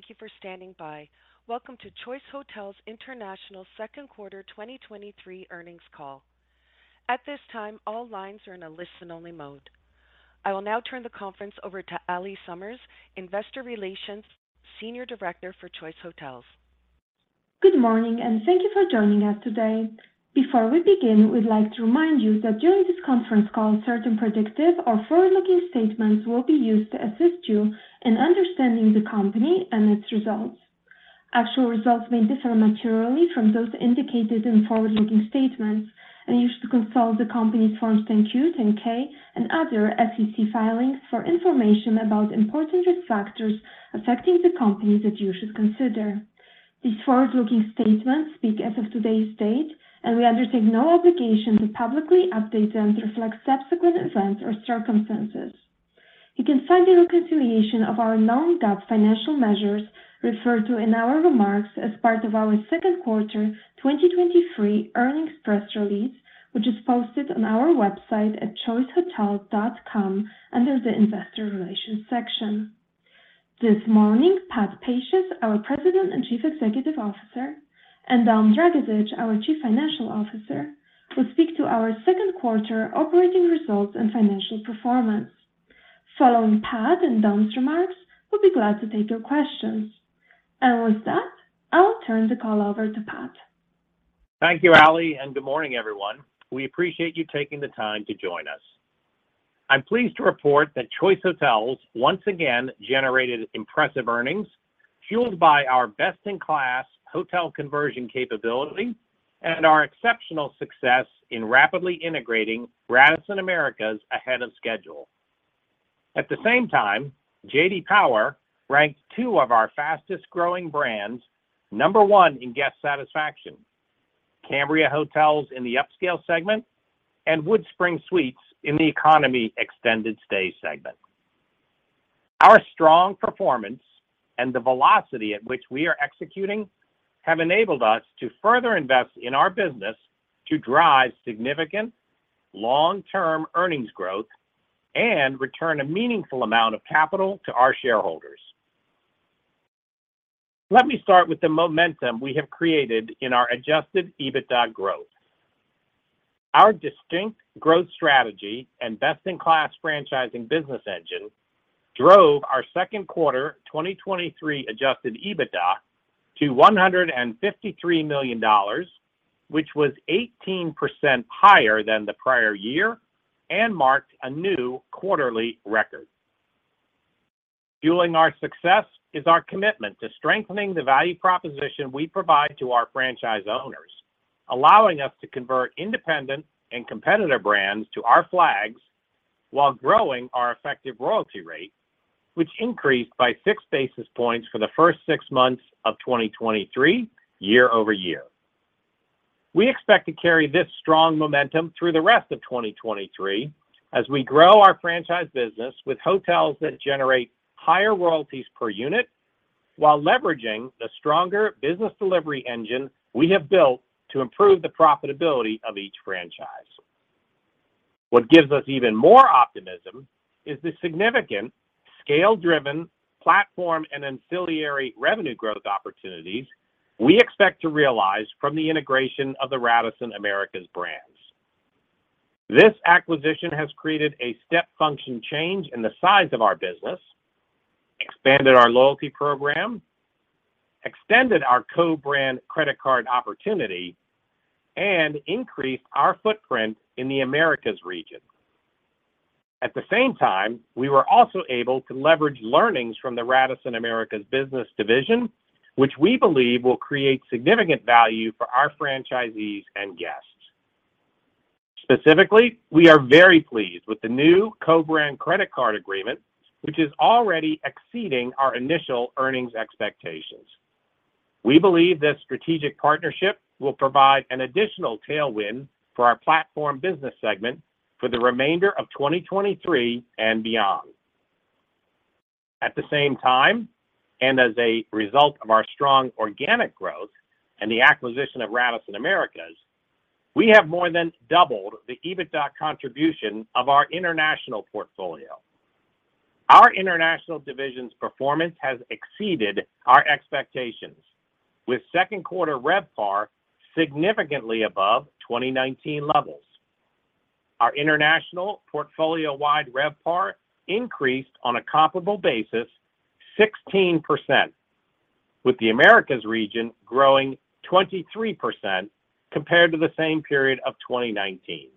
Thank you for standing by. Welcome to Choice Hotels International second quarter 2023 earnings call. At this time, all lines are in a listen-only mode. I will now turn the conference over to Allie Summers, Investor Relations, Senior Director for Choice Hotels. Good morning, and thank you for joining us today. Before we begin, we'd like to remind you that during this conference call, certain predictive or forward-looking statements will be used to assist you in understanding the company and its results. Actual results may differ materially from those indicated in forward-looking statements, and you should consult the company's Forms Form 10-Q, Form 10-K, and other SEC filings for information about important risk factors affecting the company that you should consider. These forward-looking statements speak as of today's date, and we undertake no obligation to publicly update them to reflect subsequent events or circumstances. You can find the reconciliation of our non-GAAP financial measures referred to in our remarks as part of our second quarter 2023 earnings press release, which is posted on our website at choicehotels.com under the Investor Relations section. This morning, Patrick Pacious, our President and Chief Executive Officer, and Dominick Dragisich, our Chief Financial Officer, will speak to our second quarter operating results and financial performance. Following Pat and Dom's remarks, we'll be glad to take your questions. With that, I'll turn the call over to Pat. Thank you, Aly, and good morning, everyone. We appreciate you taking the time to join us. I'm pleased to report that Choice Hotels once again generated impressive earnings, fueled by our best-in-class hotel conversion capability and our exceptional success in rapidly integrating Radisson Americas ahead of schedule. At the same time, J.D. Power ranked two of our fastest-growing brands, number one in guest satisfaction: Cambria Hotels in the upscale segment and WoodSpring Suites in the economy extended stay segment. Our strong performance and the velocity at which we are executing have enabled us to further invest in our business to drive significant long-term earnings growth and return a meaningful amount of capital to our shareholders. Let me start with the momentum we have created in our Adjusted EBITDA growth. Our distinct growth strategy and best-in-class franchising business engine drove our second quarter 2023 Adjusted EBITDA to $153 million, which was 18% higher than the prior year and marked a new quarterly record. Fueling our success is our commitment to strengthening the value proposition we provide to our franchise owners, allowing us to convert independent and competitor brands to our flags while growing our effective royalty rate, which increased by 6 basis points for the first 6 months of 2023 year-over-year. We expect to carry this strong momentum through the rest of 2023 as we grow our franchise business with hotels that generate higher royalties per unit, while leveraging the stronger business delivery engine we have built to improve the profitability of each franchise. What gives us even more optimism is the significant scale-driven platform and ancillary revenue growth opportunities we expect to realize from the integration of the Radisson Americas brands. This acquisition has created a step function change in the size of our business, expanded our loyalty program, extended our co-brand credit card opportunity, and increased our footprint in the Americas region. At the same time, we were also able to leverage learnings from the Radisson Americas business division, which we believe will create significant value for our franchisees and guests. Specifically, we are very pleased with the new co-brand credit card agreement, which is already exceeding our initial earnings expectations. We believe this strategic partnership will provide an additional tailwind for our platform business segment for the remainder of 2023 and beyond. At the same time, as a result of our strong organic growth and the acquisition of Radisson Americas, we have more than doubled the EBITDA contribution of our international portfolio. Our international division's performance has exceeded our expectations, with second quarter RevPAR significantly above 2019 levels. Our international portfolio-wide RevPAR increased on a comparable basis 16%, with the Americas region growing 23% compared to the same period of 2019.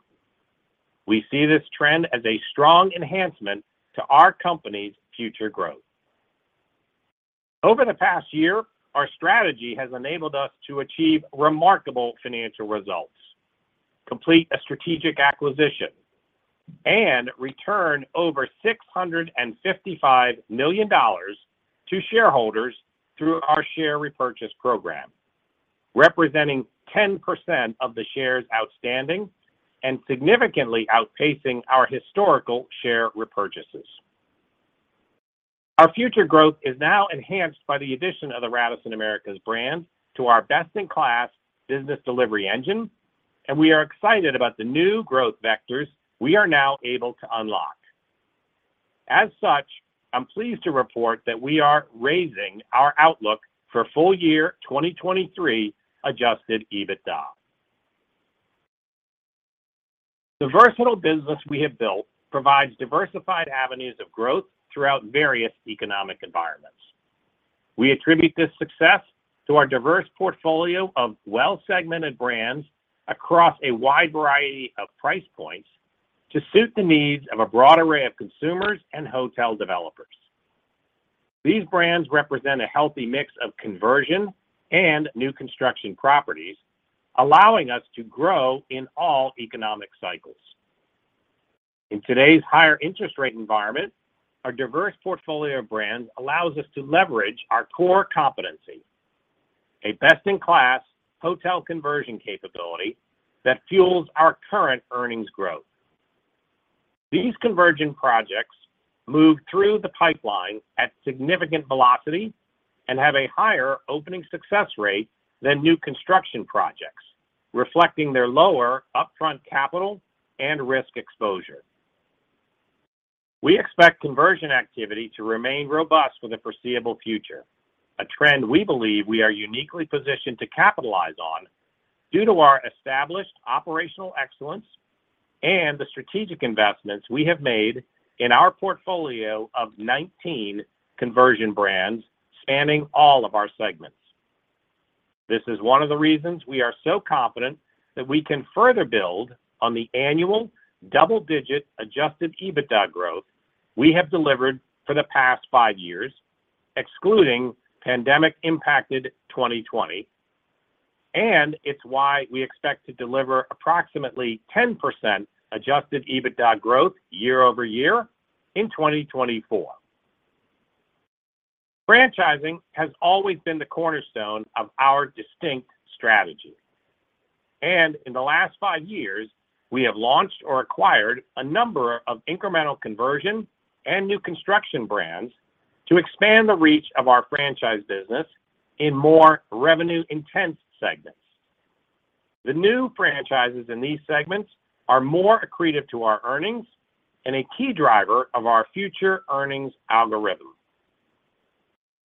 We see this trend as a strong enhancement to our company's future growth. Over the past year, our strategy has enabled us to achieve remarkable financial results, complete a strategic acquisition, and return over $655 million to shareholders through our share repurchase program, representing 10% of the shares outstanding and significantly outpacing our historical share repurchases. Our future growth is now enhanced by the addition of the Radisson Americas brand to our best-in-class business delivery engine. We are excited about the new growth vectors we are now able to unlock. As such, I'm pleased to report that we are raising our outlook for full year 2023 Adjusted EBITDA. The versatile business we have built provides diversified avenues of growth throughout various economic environments. We attribute this success to our diverse portfolio of well segmented brands across a wide variety of price points to suit the needs of a broad array of consumers and hotel developers. These brands represent a healthy mix of conversion and new construction properties, allowing us to grow in all economic cycles. In today's higher interest rate environment, our diverse portfolio of brands allows us to leverage our core competency, a best-in-class hotel conversion capability that fuels our current earnings growth. These conversion projects move through the pipeline at significant velocity and have a higher opening success rate than new construction projects, reflecting their lower upfront capital and risk exposure. We expect conversion activity to remain robust for the foreseeable future, a trend we believe we are uniquely positioned to capitalize on due to our established operational excellence and the strategic investments we have made in our portfolio of 19 conversion brands spanning all of our segments. This is one of the reasons we are so confident that we can further build on the annual double-digit Adjusted EBITDA growth we have delivered for the past 5 years, excluding pandemic-impacted 2020, it's why we expect to deliver approximately 10% Adjusted EBITDA growth year-over-year in 2024. Franchising has always been the cornerstone of our distinct strategy, and in the last 5 years, we have launched or acquired a number of incremental conversion and new construction brands to expand the reach of our franchise business in more revenue-intense segments. The new franchises in these segments are more accretive to our earnings and a key driver of our future earnings algorithm.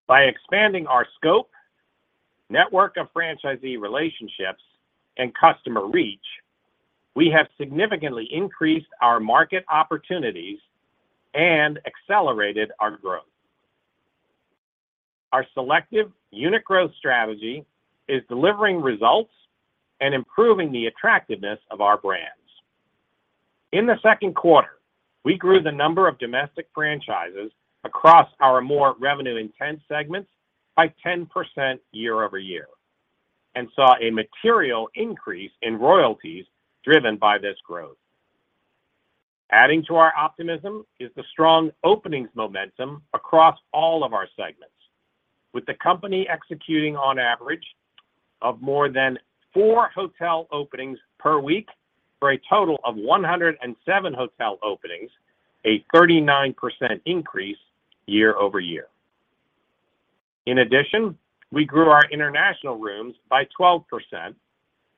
By expanding our scope, network of franchisee relationships, and customer reach, we have significantly increased our market opportunities and accelerated our growth. Our selective unit growth strategy is delivering results and improving the attractiveness of our brands. In the second quarter, we grew the number of domestic franchises across our more revenue-intense segments by 10% year-over-year, and saw a material increase in royalties driven by this growth. Adding to our optimism is the strong openings momentum across all of our segments, with the company executing on average of more than four hotel openings per week for a total of 107 hotel openings, a 39% increase year-over-year. In addition, we grew our international rooms by 12%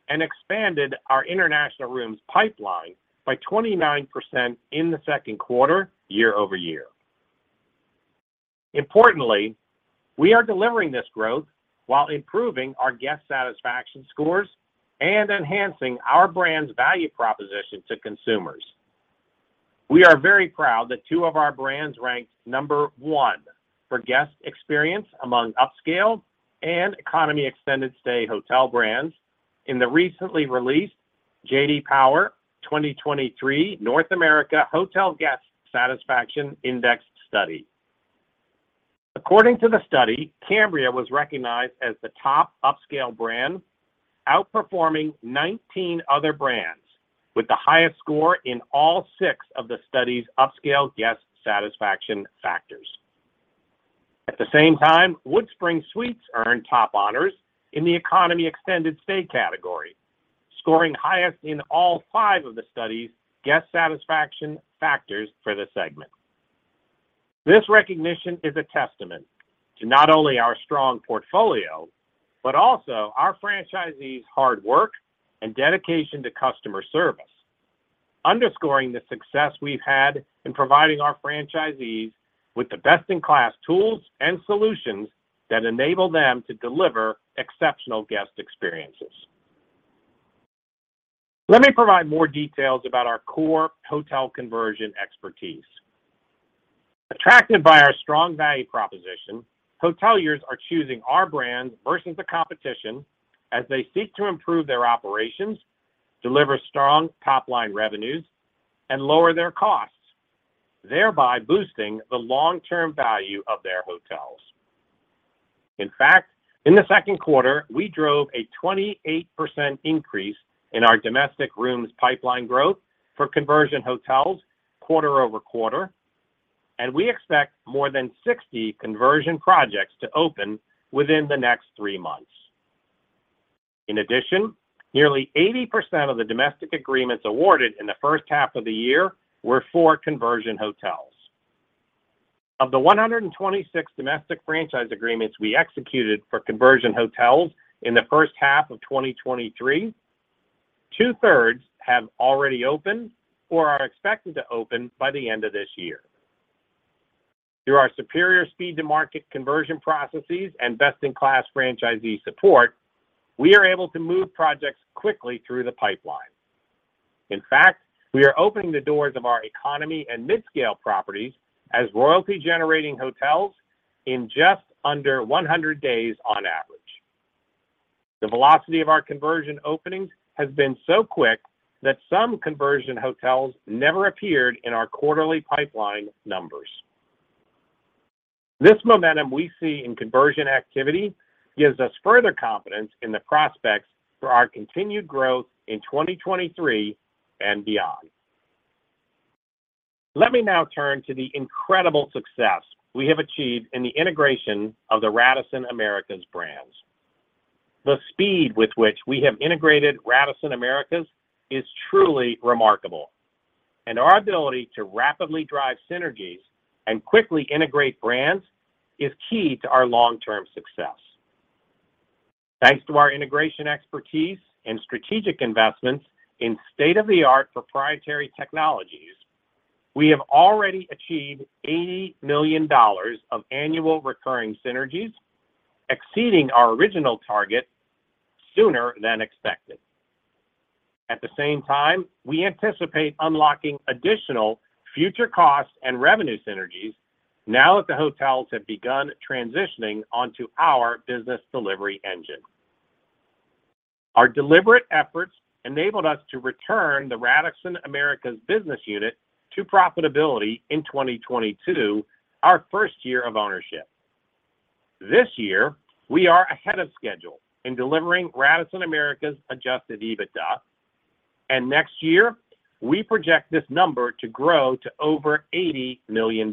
and expanded our international rooms pipeline by 29% in the second quarter, year-over-year. Importantly, we are delivering this growth while improving our guest satisfaction scores and enhancing our brand's value proposition to consumers. We are very proud that two of our brands ranked number one for guest experience among upscale and economy extended stay hotel brands in the recently released J.D. Power 2023 North America Hotel Guest Satisfaction Index Study. According to the study, Cambria was recognized as the top upscale brand, outperforming 19 other brands, with the highest score in all 6 of the study's upscale guest satisfaction factors. At the same time, WoodSpring Suites earned top honors in the economy extended stay category, scoring highest in all 5 of the study's guest satisfaction factors for the segment. This recognition is a testament to not only our strong portfolio, but also our franchisees' hard work and dedication to customer service, underscoring the success we've had in providing our franchisees with the best-in-class tools and solutions that enable them to deliver exceptional guest experiences. Let me provide more details about our core hotel conversion expertise. Attracted by our strong value proposition, hoteliers are choosing our brands versus the competition as they seek to improve their operations, deliver strong top-line revenues, and lower their costs, thereby boosting the long-term value of their hotels. In fact, in the second quarter, we drove a 28% increase in our domestic rooms pipeline growth for conversion hotels quarter-over-quarter, and we expect more than 60 conversion projects to open within the next three months. In addition, nearly 80% of the domestic agreements awarded in the H1 of the year were for conversion hotels. Of the 126 domestic franchise agreements we executed for conversion hotels in the H1 of 2023, two-thirds have already opened or are expected to open by the end of this year. Through our superior speed to market conversion processes and best-in-class franchisee support, we are able to move projects quickly through the pipeline. In fact, we are opening the doors of our economy and midscale properties as royalty-generating hotels in just under 100 days on average. The velocity of our conversion openings has been so quick that some conversion hotels never appeared in our quarterly pipeline numbers. This momentum we see in conversion activity gives us further confidence in the prospects for our continued growth in 2023 and beyond. Let me now turn to the incredible success we have achieved in the integration of the Radisson Americas brands. The speed with which we have integrated Radisson Americas is truly remarkable, and our ability to rapidly drive synergies and quickly integrate brands is key to our long-term success. Thanks to our integration expertise and strategic investments in state-of-the-art proprietary technologies, we have already achieved $80 million of annual recurring synergies, exceeding our original target sooner than expected. At the same time, we anticipate unlocking additional future costs and revenue synergies now that the hotels have begun transitioning onto our business delivery engine. Our deliberate efforts enabled us to return the Radisson Americas business unit to profitability in 2022, our first year of ownership. This year, we are ahead of schedule in delivering Radisson Americas Adjusted EBITDA, and next year, we project this number to grow to over $80 million.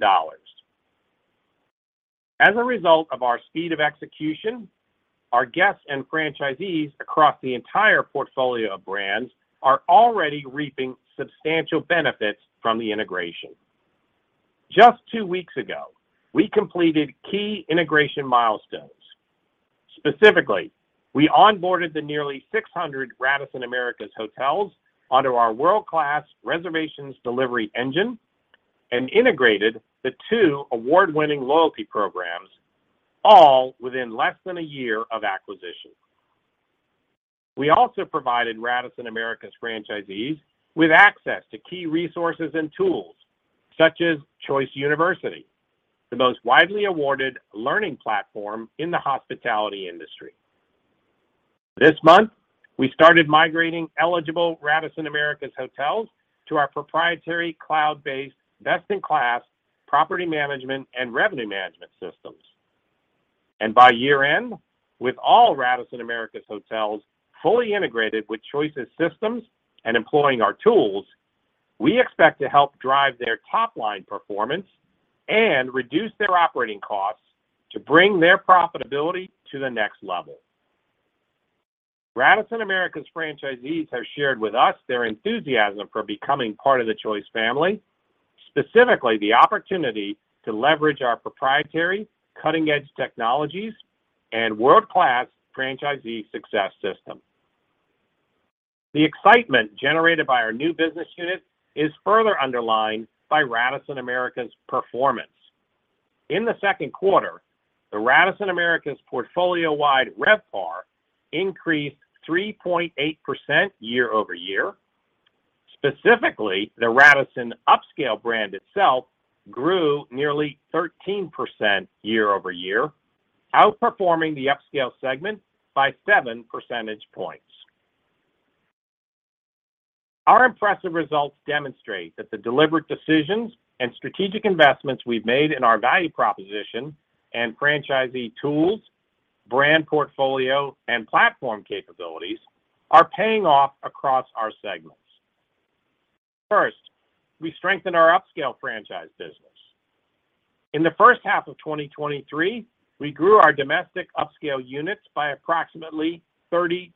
As a result of our speed of execution, our guests and franchisees across the entire portfolio of brands are already reaping substantial benefits from the integration. Just two weeks ago, we completed key integration milestones. Specifically, we onboarded the nearly 600 Radisson Americas hotels onto our world-class reservations delivery engine and integrated the two award-winning loyalty programs, all within less than a year of acquisition. We also provided Radisson Americas franchisees with access to key resources and tools such as Choice University, the most widely awarded learning platform in the hospitality industry. This month, we started migrating eligible Radisson Americas hotels to our proprietary, cloud-based, best-in-class property management and revenue management systems. By year-end, with all Radisson Americas hotels fully integrated with Choice's systems, and employing our tools, we expect to help drive their top-line performance and reduce their operating costs to bring their profitability to the next level. Radisson Americas franchisees have shared with us their enthusiasm for becoming part of the Choice family, specifically the opportunity to leverage our proprietary cutting-edge technologies and world-class Choice Franchisee Success System. The excitement generated by our new business unit is further underlined by Radisson Americas performance. In the second quarter, the Radisson Americas portfolio-wide RevPAR increased 3.8% year-over-year. Specifically, the Radisson upscale brand itself grew nearly 13% year-over-year, outperforming the upscale segment by 7 percentage points. Our impressive results demonstrate that the deliberate decisions and strategic investments we've made in our value proposition and franchisee tools, brand portfolio, and platform capabilities are paying off across our segments. First, we strengthened our upscale franchise business. In the first half of 2023, we grew our domestic upscale units by approximately 32%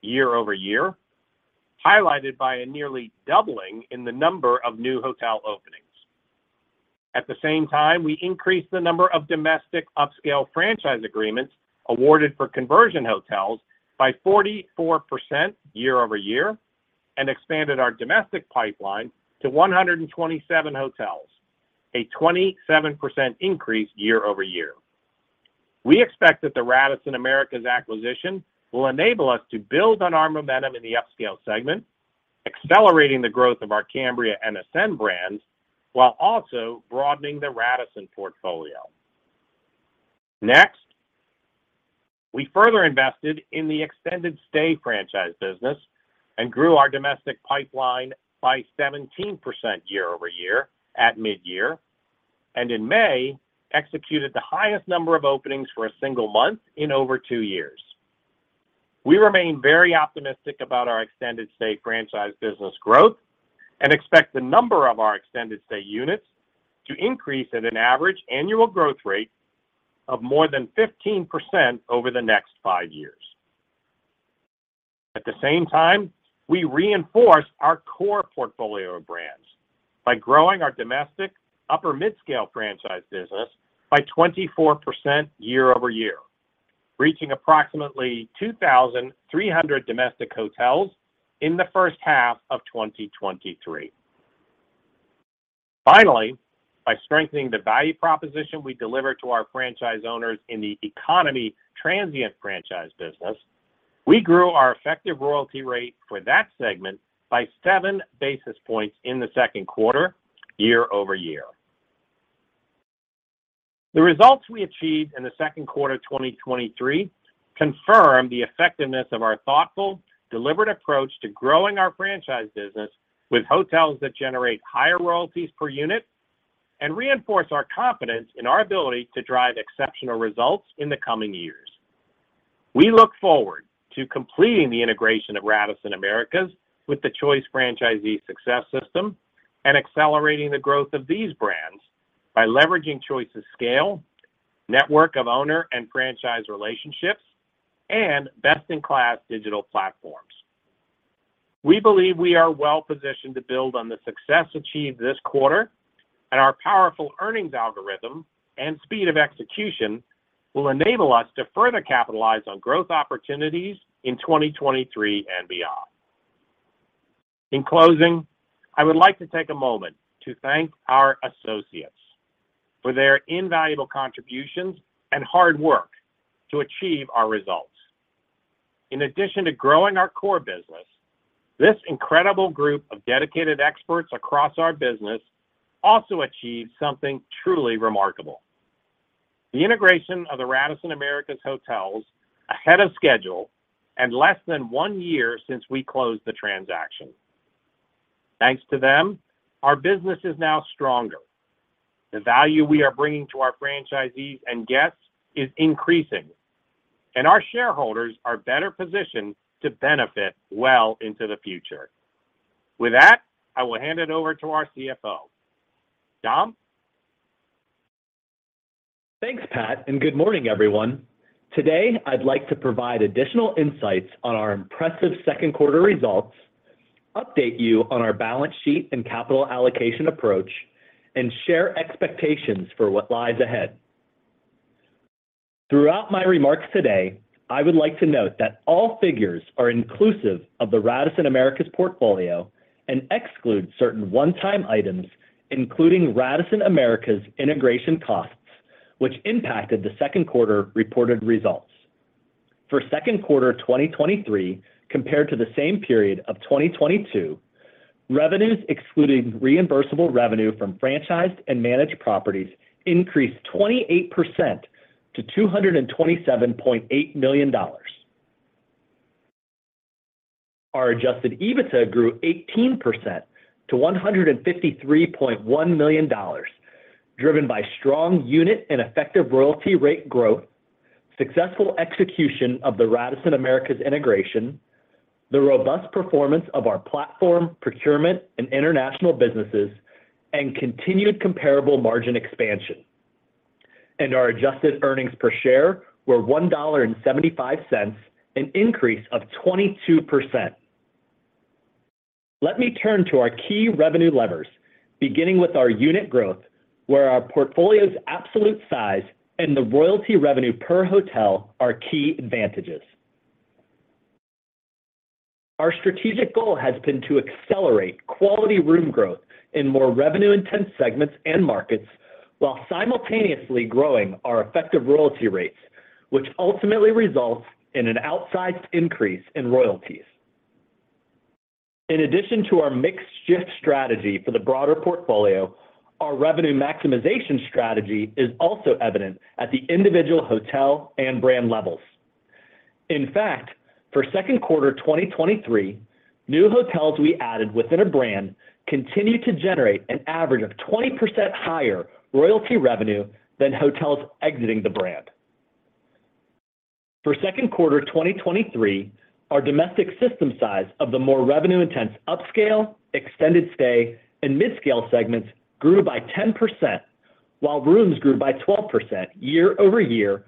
year-over-year, highlighted by a nearly doubling in the number of new hotel openings. At the same time, we increased the number of domestic upscale franchise agreements awarded for conversion hotels by 44% year-over-year and expanded our domestic pipeline to 127 hotels, a 27% increase year-over-year. We expect that the Radisson Americas acquisition will enable us to build on our momentum in the upscale segment, accelerating the growth of our Cambria and Ascend brands, while also broadening the Radisson portfolio. Next, we further invested in the extended stay franchise business and grew our domestic pipeline by 17% year-over-year at midyear, and in May, executed the highest number of openings for a single month in over 2 years. We remain very optimistic about our extended stay franchise business growth and expect the number of our extended stay units to increase at an average annual growth rate of more than 15% over the next five years. At the same time, we reinforced our core portfolio of brands by growing our domestic upper midscale franchise business by 24% year-over-year, reaching approximately 2,300 domestic hotels in the H1 of 2023. Finally, by strengthening the value proposition we deliver to our franchise owners in the economy transient franchise business, we grew our effective royalty rate for that segment by seven basis points in the second quarter, year-over-year. The results we achieved in the second quarter of 2023 confirm the effectiveness of our thoughtful, deliberate approach to growing our franchise business with hotels that generate higher royalties per unit and reinforce our confidence in our ability to drive exceptional results in the coming years. We look forward to completing the integration of Radisson Americas with the Choice Franchisee Success System and accelerating the growth of these brands by leveraging Choice's scale, network of owner and franchise relationships, and best-in-class digital platforms. We believe we are well positioned to build on the success achieved this quarter, and our powerful earnings algorithm and speed of execution will enable us to further capitalize on growth opportunities in 2023 and beyond. In closing, I would like to take a moment to thank our associates for their invaluable contributions and hard work to achieve our results. In addition to growing our core business, this incredible group of dedicated experts across our business also achieved something truly remarkable. The integration of the Radisson Americas hotels ahead of schedule and less than one year since we closed the transaction. Thanks to them, our business is now stronger. The value we are bringing to our franchisees and guests is increasing, and our shareholders are better positioned to benefit well into the future. With that, I will hand it over to our CFO. Dom? Thanks, Pat. Good morning, everyone. Today, I'd like to provide additional insights on our impressive second quarter results, update you on our balance sheet and capital allocation approach, and share expectations for what lies ahead. Throughout my remarks today, I would like to note that all figures are inclusive of the Radisson Americas portfolio and exclude certain one-time items, including Radisson Americas integration costs, which impacted the second quarter reported results. For second quarter 2023, compared to the same period of 2022, revenues, excluding reimbursable revenue from franchised and managed properties, increased 28% to $227.8 million. Our Adjusted EBITDA grew 18% to $153.1 million, driven by strong unit and effective royalty rate growth, successful execution of the Radisson Americas integration, the robust performance of our platform, procurement, and international businesses, and continued comparable margin expansion. Our adjusted earnings per share were $1.75, an increase of 22%. Let me turn to our key revenue levers, beginning with our unit growth, where our portfolio's absolute size and the royalty revenue per hotel are key advantages. Our strategic goal has been to accelerate quality room growth in more revenue-intense segments and markets, while simultaneously growing our effective royalty rates, which ultimately results in an outsized increase in royalties. In addition to our mix shift strategy for the broader portfolio, our revenue maximization strategy is also evident at the individual hotel and brand levels. In fact, for second quarter 2023, new hotels we added within a brand continued to generate an average of 20% higher royalty revenue than hotels exiting the brand. For second quarter 2023, our domestic system size of the more revenue-intense upscale, extended stay, and midscale segments grew by 10%, while rooms grew by 12% year-over-year,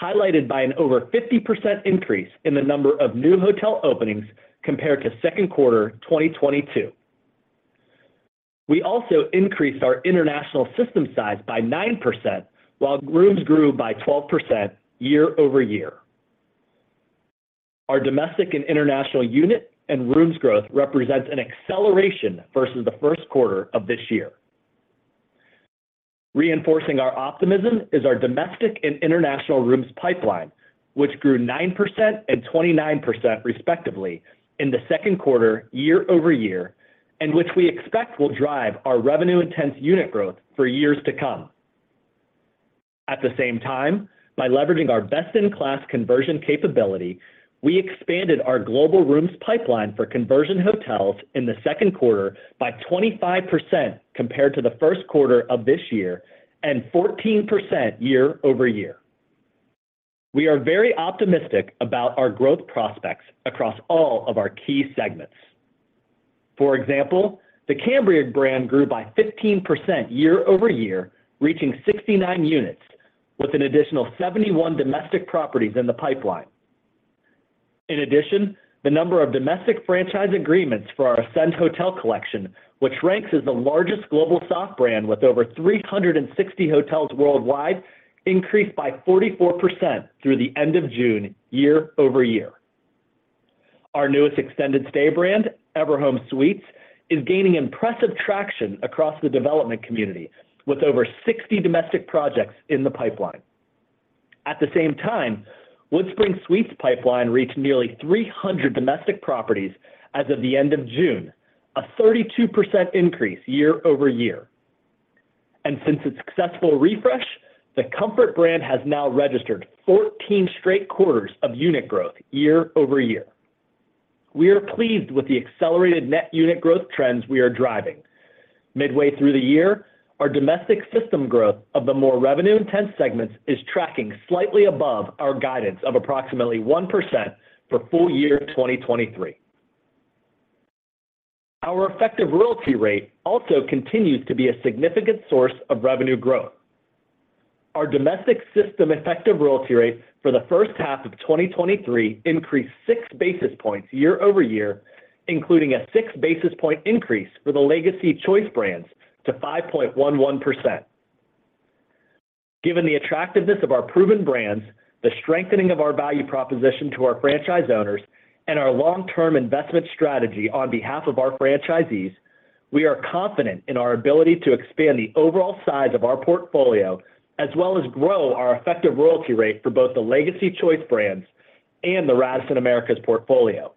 highlighted by an over 50% increase in the number of new hotel openings compared to second quarter 2022. We also increased our international system size by 9%, while rooms grew by 12% year-over-year. Our domestic and international unit and rooms growth represents an acceleration versus the first quarter of this year. Reinforcing our optimism is our domestic and international rooms pipeline, which grew 9% and 29%, respectively, in the second quarter, year-over-year, and which we expect will drive our revenue-intense unit growth for years to come. At the same time, by leveraging our best-in-class conversion capability, we expanded our global rooms pipeline for conversion hotels in the second quarter by 25% compared to the first quarter of this year and 14% year-over-year. We are very optimistic about our growth prospects across all of our key segments.... For example, the Cambria brand grew by 15% year-over-year, reaching 69 units, with an additional 71 domestic properties in the pipeline. In addition, the number of domestic franchise agreements for our Ascend Hotel Collection, which ranks as the largest global soft brand with over 360 hotels worldwide, increased by 44% through the end of June year-over-year. Our newest extended stay brand, Everhome Suites, is gaining impressive traction across the development community, with over 60 domestic projects in the pipeline. At the same time, WoodSpring Suites pipeline reached nearly 300 domestic properties as of the end of June, a 32% increase year-over-year. Since its successful refresh, the Comfort brand has now registered 14 straight quarters of unit growth year-over-year. We are pleased with the accelerated net unit growth trends we are driving. Midway through the year, our domestic system growth of the more revenue-intense segments is tracking slightly above our guidance of approximately 1% for full year 2023. Our effective royalty rate also continues to be a significant source of revenue growth. Our domestic system effective royalty rate for the H1 of 2023 increased 6 basis points year-over-year, including a 6 basis point increase for the Legacy Choice brands to 5.11%. Given the attractiveness of our proven brands, the strengthening of our value proposition to our franchise owners, and our long-term investment strategy on behalf of our franchisees, we are confident in our ability to expand the overall size of our portfolio, as well as grow our effective royalty rate for both the Legacy Choice brands and the Radisson Americas portfolio.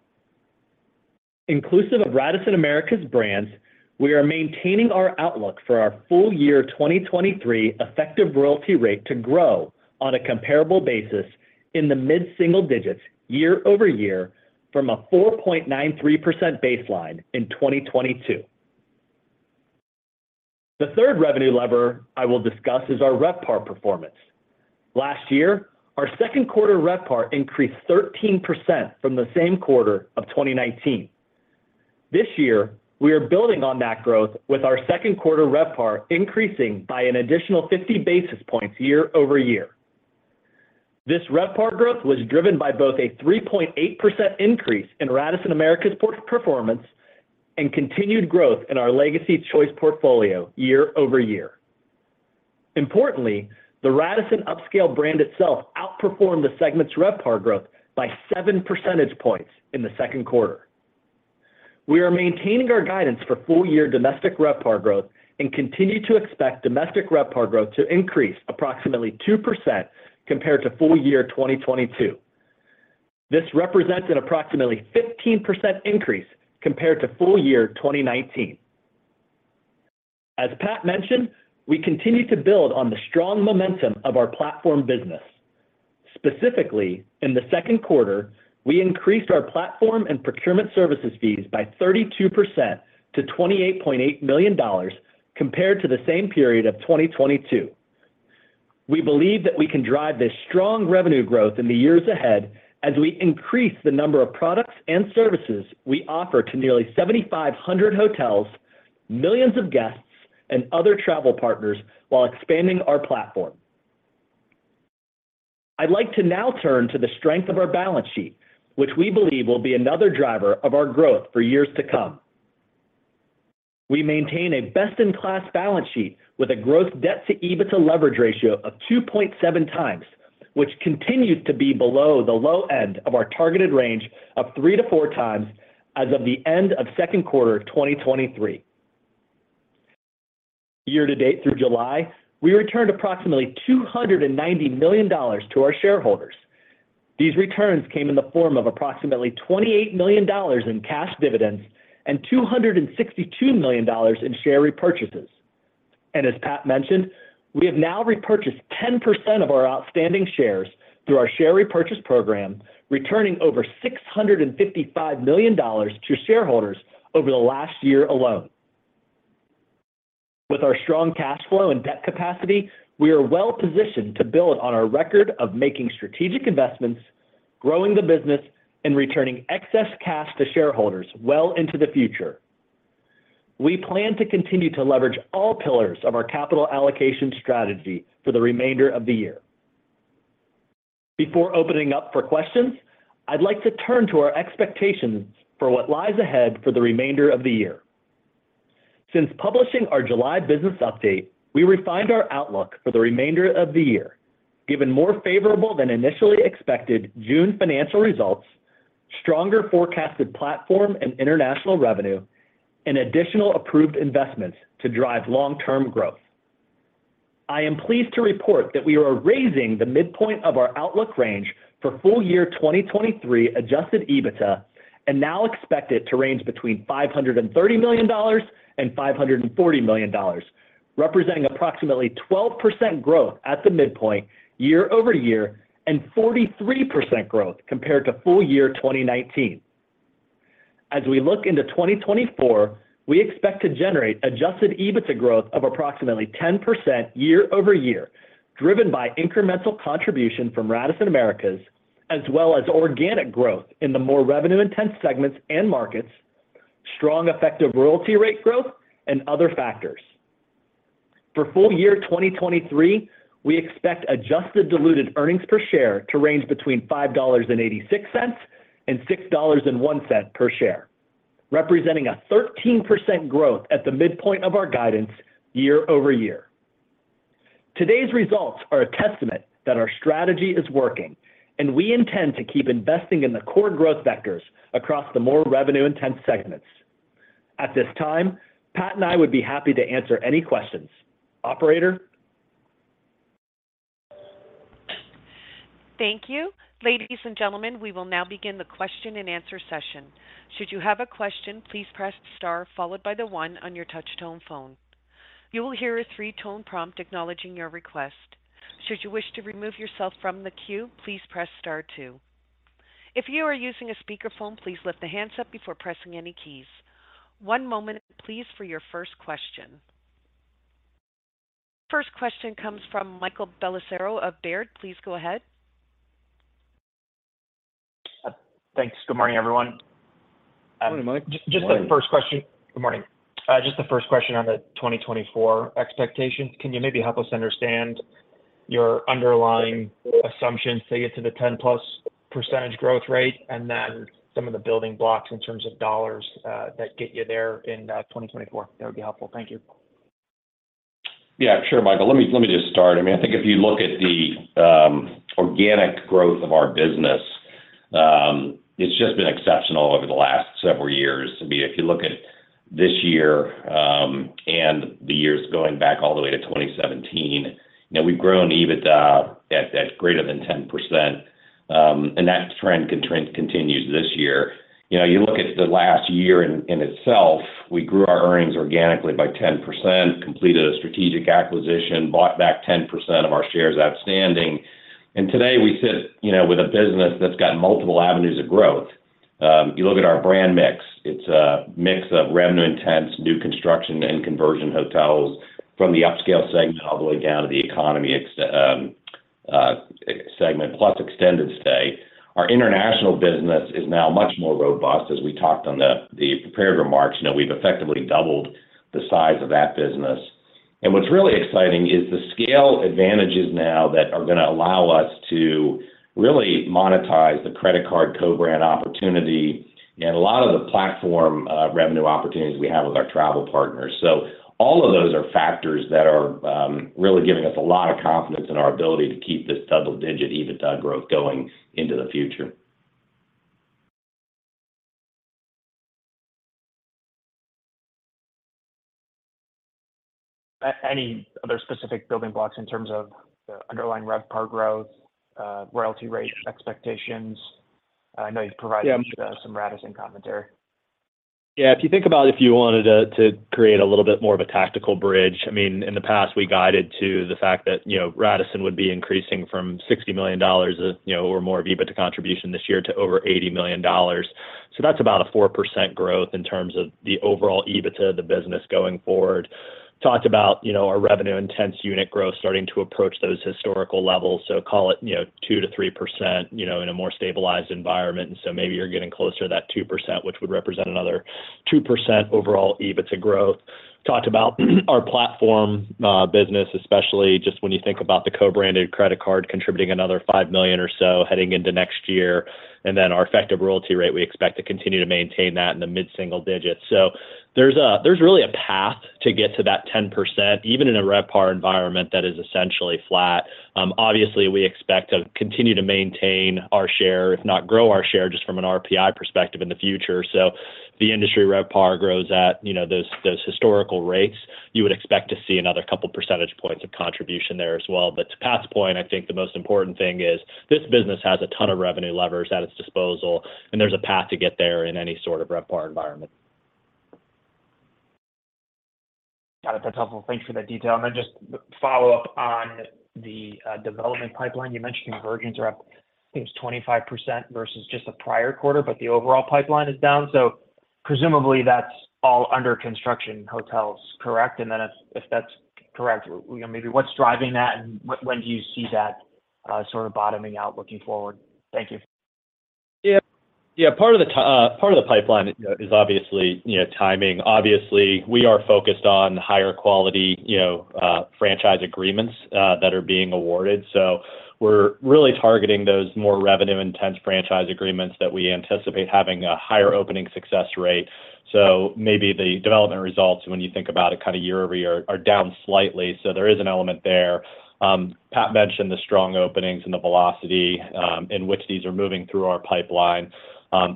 Inclusive of Radisson Americas brands, we are maintaining our outlook for our full year 2023 effective royalty rate to grow on a comparable basis in the mid-single digits year-over-year from a 4.93% baseline in 2022. The third revenue lever I will discuss is our RevPAR performance. Last year, our second quarter RevPAR increased 13% from the same quarter of 2019. This year, we are building on that growth with our second quarter RevPAR increasing by an additional 50 basis points year-over-year. This RevPAR growth was driven by both a 3.8% increase in Radisson Americas port performance and continued growth in our Legacy Choice portfolio year-over-year. Importantly, the Radisson upscale brand itself outperformed the segment's RevPAR growth by 7 percentage points in the second quarter. We are maintaining our guidance for full year domestic RevPAR growth and continue to expect domestic RevPAR growth to increase approximately 2% compared to full year 2022. This represents an approximately 15% increase compared to full year 2019. As Pat mentioned, we continue to build on the strong momentum of our platform business. Specifically, in the second quarter, we increased our platform and procurement services fees by 32% to $28.8 million, compared to the same period of 2022. We believe that we can drive this strong revenue growth in the years ahead as we increase the number of products and services we offer to nearly 7,500 hotels, millions of guests, and other travel partners while expanding our platform. I'd like to now turn to the strength of our balance sheet, which we believe will be another driver of our growth for years to come. We maintain a best-in-class balance sheet with a growth debt to EBITDA leverage ratio of 2.7x, which continues to be below the low end of our targeted range of 3x-4x as of the end of 2Q 2023. Year-to-date through July, we returned approximately $290 million to our shareholders. These returns came in the form of approximately $28 million in cash dividends and $262 million in share repurchases. As Pat mentioned, we have now repurchased 10% of our outstanding shares through our share repurchase program, returning over $655 million to shareholders over the last year alone. With our strong cash flow and debt capacity, we are well positioned to build on our record of making strategic investments, growing the business, and returning excess cash to shareholders well into the future. We plan to continue to leverage all pillars of our capital allocation strategy for the remainder of the year. Before opening up for questions, I'd like to turn to our expectations for what lies ahead for the remainder of the year. Since publishing our July business update, we refined our outlook for the remainder of the year. Given more favorable than initially expected June financial results, stronger forecasted platform and international revenue, and additional approved investments to drive long-term growth. I am pleased to report that we are raising the midpoint of our outlook range for full year 2023 Adjusted EBITDA, and now expect it to range between $530 million and $540 million, representing approximately 12% growth at the midpoint year-over-year, and 43% growth compared to full year 2019. As we look into 2024, we expect to generate Adjusted EBITDA growth of approximately 10% year-over-year, driven by incremental contribution from Radisson Americas-... as well as organic growth in the more revenue-intense segments and markets, strong effective royalty rate growth, and other factors. For full year 2023, we expect adjusted diluted earnings per share to range between $5.86 and $6.01 per share, representing a 13% growth at the midpoint of our guidance year-over-year. Today's results are a testament that our strategy is working. We intend to keep investing in the core growth vectors across the more revenue-intense segments. At this time, Pat and I would be happy to answer any questions. Operator? Thank you. Ladies and gentlemen, we will now begin the question-and-answer session. Should you have a question, please press Star, followed by 1 on your touchtone phone. You will hear a 3-tone prompt acknowledging your request. Should you wish to remove yourself from the queue, please press Star 2. If you are using a speakerphone, please lift the hands up before pressing any keys. 1 moment, please, for your first question. First question comes from Michael Bellisario of Baird. Please go ahead. Thanks. Good morning, everyone. Good morning, Mike. Just, just the first question, good morning. Just the first question on the 2024 expectations. Can you maybe help us understand your underlying assumptions to get to the 10+% growth rate, and then some of the building blocks in terms of dollars that get you there in 2024? That would be helpful. Thank you. Yeah, sure, Michael. Let me, let me just start. I mean, I think if you look at the organic growth of our business, it's just been exceptional over the last several years. I mean, if you look at this year, and the years going back all the way to 2017, you know, we've grown EBITDA at greater than 10%, and that trend continues this year. You know, you look at the last year in itself, we grew our earnings organically by 10%, completed a strategic acquisition, bought back 10% of our shares outstanding, and today we sit, you know, with a business that's got multiple avenues of growth. You look at our brand mix, it's a mix of revenue intense, new construction, and conversion hotels from the upscale segment all the way down to the economy ex segment, plus extended stay. Our international business is now much more robust, as we talked on the, the prepared remarks. You know, we've effectively doubled the size of that business. What's really exciting is the scale advantages now that are going to allow us to really monetize the credit card co-brand opportunity and a lot of the platform revenue opportunities we have with our travel partners. All of those are factors that are really giving us a lot of confidence in our ability to keep this double-digit EBITDA growth going into the future. any other specific building blocks in terms of the underlying RevPAR growth, royalty rate expectations? I know you've provided- Yeah... some Radisson commentary. Yeah. If you think about if you wanted to, to create a little bit more of a tactical bridge, I mean, in the past, we guided to the fact that, you know, Radisson would be increasing from $60 million, you know, or more of EBITDA contribution this year to over $80 million. That's about a 4% growth in terms of the overall EBITDA of the business going forward. Talked about, you know, our revenue intense unit growth starting to approach those historical levels, so call it, you know, 2%-3%, you know, in a more stabilized environment. Maybe you're getting closer to that 2%, which would represent another 2% overall EBITDA growth. Talked about our platform business, especially just when you think about the co-branded credit card contributing another $5 million or so heading into next year. Our effective royalty rate, we expect to continue to maintain that in the mid-single digits. There's really a path to get to that 10%, even in a RevPAR environment that is essentially flat. Obviously, we expect to continue to maintain our share, if not grow our share, just from an RPI perspective in the future. If the industry RevPAR grows at, you know, those, those historical rates, you would expect to see another couple percentage points of contribution there as well. To Pat's point, I think the most important thing is this business has a ton of revenue levers at its disposal, and there's a path to get there in any sort of RevPAR environment. Got it. That's helpful. Thanks for that detail. Then just follow up on the development pipeline. You mentioned conversions are up, I think, it's 25% versus just the prior quarter, but the overall pipeline is down. Presumably, that's all under construction hotels, correct? Then if, if that's correct, you know, maybe what's driving that, and when do you see that sort of bottoming out looking forward? Thank you. Yeah. Yeah, part of the pipeline is obviously, you know, timing. Obviously, we are focused on higher quality, you know, franchise agreements that are being awarded. We're really targeting those more revenue intense franchise agreements that we anticipate having a higher opening success rate. Maybe the development results, when you think about it, kind of year-over-year, are down slightly, so there is an element there. Pat mentioned the strong openings and the velocity in which these are moving through our pipeline.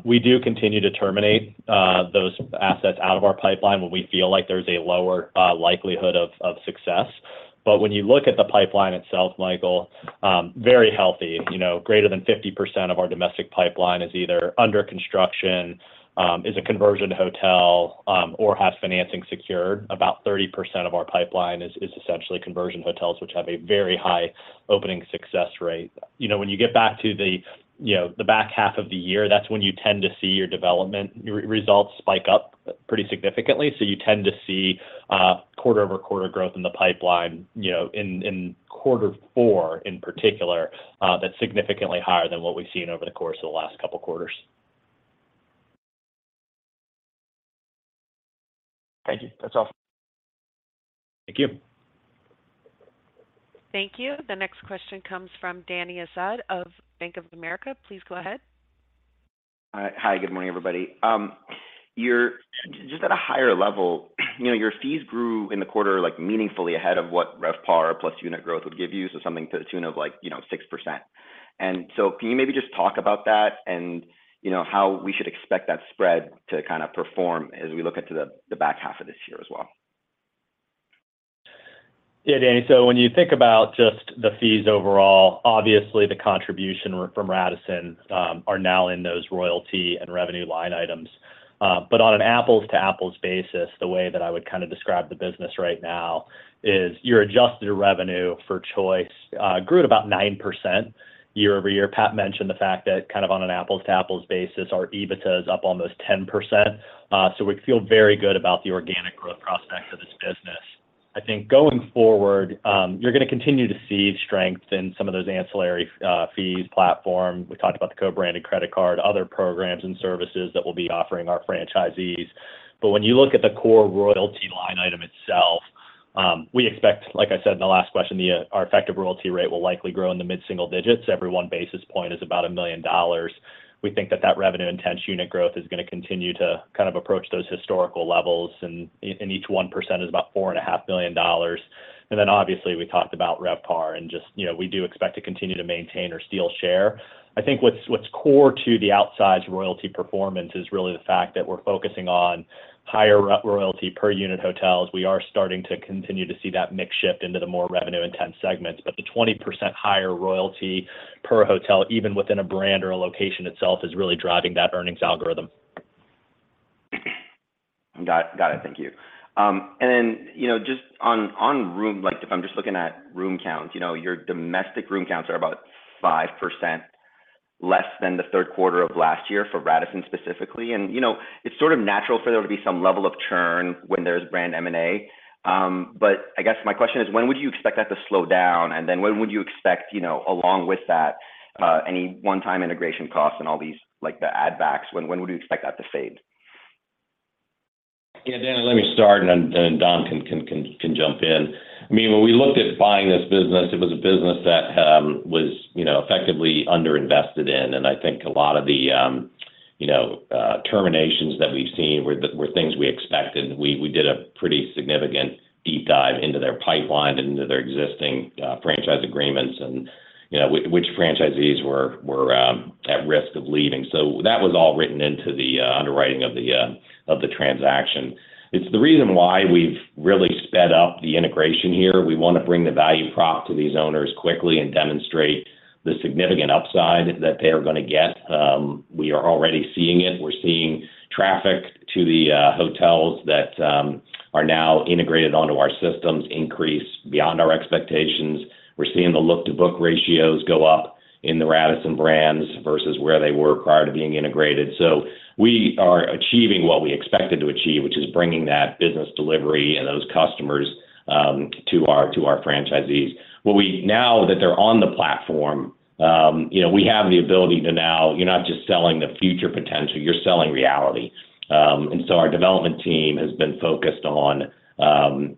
We do continue to terminate those assets out of our pipeline when we feel like there's a lower likelihood of success. When you look at the pipeline itself, Michael, very healthy. You know, greater than 50% of our domestic pipeline is either under construction, is a conversion hotel, or has financing secured. About 30% of our pipeline is essentially conversion hotels, which have a very high opening success rate. You know, when you get back to the, you know, the back half of the year, that's when you tend to see your development, your results spike up pretty significantly. You tend to see quarter-over-quarter growth in the pipeline, you know, in quarter four, in particular, that's significantly higher than what we've seen over the course of the last couple of quarters. Thank you. That's all. Thank you. Thank you. The next question comes from Danny Asad of Bank of America. Please go ahead. Hi. Good morning, everybody. Just at a higher level, you know, your fees grew in the quarter, like, meaningfully ahead of what RevPAR plus unit growth would give you, so something to the tune of, like, you know, 6%. Can you maybe just talk about that and, you know, how we should expect that spread to kind of perform as we look into the, the back half of this year as well? Danny. When you think about just the fees overall, obviously, the contribution from Radisson are now in those royalty and revenue line items. On an apples-to-apples basis, the way that I would kind of describe the business right now is your adjusted revenue for Choice grew at about 9% year-over-year. Pat mentioned the fact that kind of on an apples-to-apples basis, our EBITDA is up almost 10%. We feel very good about the organic growth prospect of this business. I think going forward, you're going to continue to see strength in some of those ancillary fees platform. We talked about the co-branded credit card, other programs and services that we'll be offering our franchisees. When you look at the core royalty line item itself, we expect, like I said in the last question, the our effective royalty rate will likely grow in the mid-single digits. Every 1 basis point is about $1 million. We think that that revenue intense unit growth is going to continue to kind of approach those historical levels, and each 1% is about $4.5 million. Obviously, we talked about RevPAR, and just, you know, we do expect to continue to maintain or steal share. I think what's, what's core to the outsides royalty performance is really the fact that we're focusing on higher royalty per unit hotels. We are starting to continue to see that mix shift into the more revenue-intense segments, but the 20% higher royalty per hotel, even within a brand or a location itself, is really driving that earnings algorithm. Got it. Thank you. Then, you know, just on, on room-- like, if I'm just looking at room count, you know, your domestic room counts are about 5% less than the 3rd quarter of last year for Radisson, specifically. You know, it's sort of natural for there to be some level of churn when there's brand M&A. I guess my question is, when would you expect that to slow down? Then when would you expect, you know, along with that, any one-time integration costs and all these, like, the add backs, when, when would you expect that to fade? Yeah, Danny, let me start, and then Don can jump in. I mean, when we looked at buying this business, it was a business that was, you know, effectively underinvested in, and I think a lot of the, you know, terminations that we've seen were things we expected. We did a pretty significant deep dive into their pipeline and into their existing franchise agreements and, you know, which franchisees were at risk of leaving. That was all written into the underwriting of the transaction. It's the reason why we've really sped up the integration here. We want to bring the value prop to these owners quickly and demonstrate the significant upside that they are going to get. We are already seeing it. We're seeing traffic to the hotels that are now integrated onto our systems increase beyond our expectations. We're seeing the look-to-book ratios go up in the Radisson brands versus where they were prior to being integrated. We are achieving what we expected to achieve, which is bringing that business delivery and those customers to our, to our franchisees. Now that they're on the platform, you know, we have the ability to now. You're not just selling the future potential, you're selling reality. Our development team has been focused on,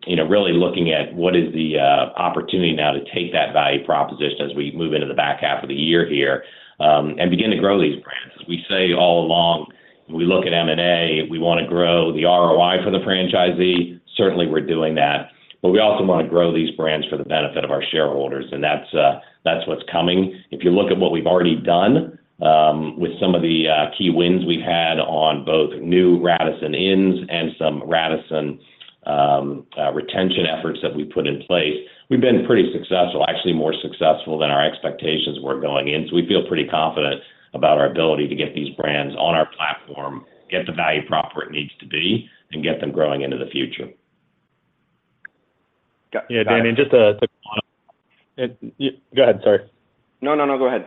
you know, really looking at what is the opportunity now to take that value proposition as we move into the back half of the year here, and begin to grow these brands. As we say all along, we look at M&A, we want to grow the ROI for the franchisee. Certainly, we're doing that. We also want to grow these brands for the benefit of our shareholders, and that's, that's what's coming. If you look at what we've already done, with some of the key wins we've had on both new Radisson Inns and some Radisson retention efforts that we put in place, we've been pretty successful, actually more successful than our expectations were going in. We feel pretty confident about our ability to get these brands on our platform, get the value prop where it needs to be, and get them growing into the future. Got- Yeah, Danny, and just to... Go ahead, sorry. No, no, no, go ahead.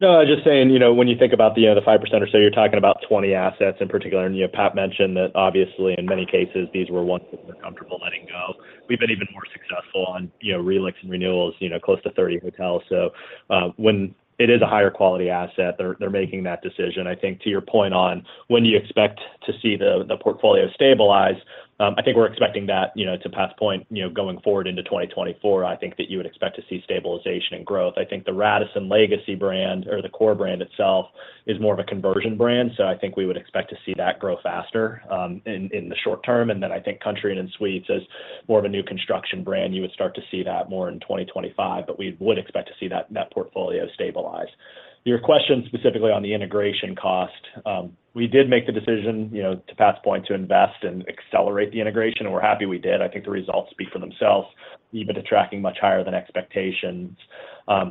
No, I was just saying, you know, when you think about the 5% or so, you're talking about 20 assets in particular. You know, Pat mentioned that obviously, in many cases, these were ones that we're comfortable letting go. We've been even more successful on, you know, relets and renewals, you know, close to 30 hotels. When it is a higher quality asset, they're, they're making that decision. I think to your point on, when do you expect to see the portfolio stabilize? I think we're expecting that, you know, to Pat's point, you know, going forward into 2024, I think that you would expect to see stabilization and growth. I think the Radisson legacy brand or the core brand itself is more of a conversion brand, so I think we would expect to see that grow faster, in, in the short term. I think Country Inn & Suites, as more of a new construction brand, you would start to see that more in 2025, but we would expect to see that, that portfolio stabilize. To your question, specifically on the integration cost, we did make the decision, you know, to Pat's point, to invest and accelerate the integration, and we're happy we did. I think the results speak for themselves, EBITDA tracking much higher than expectations.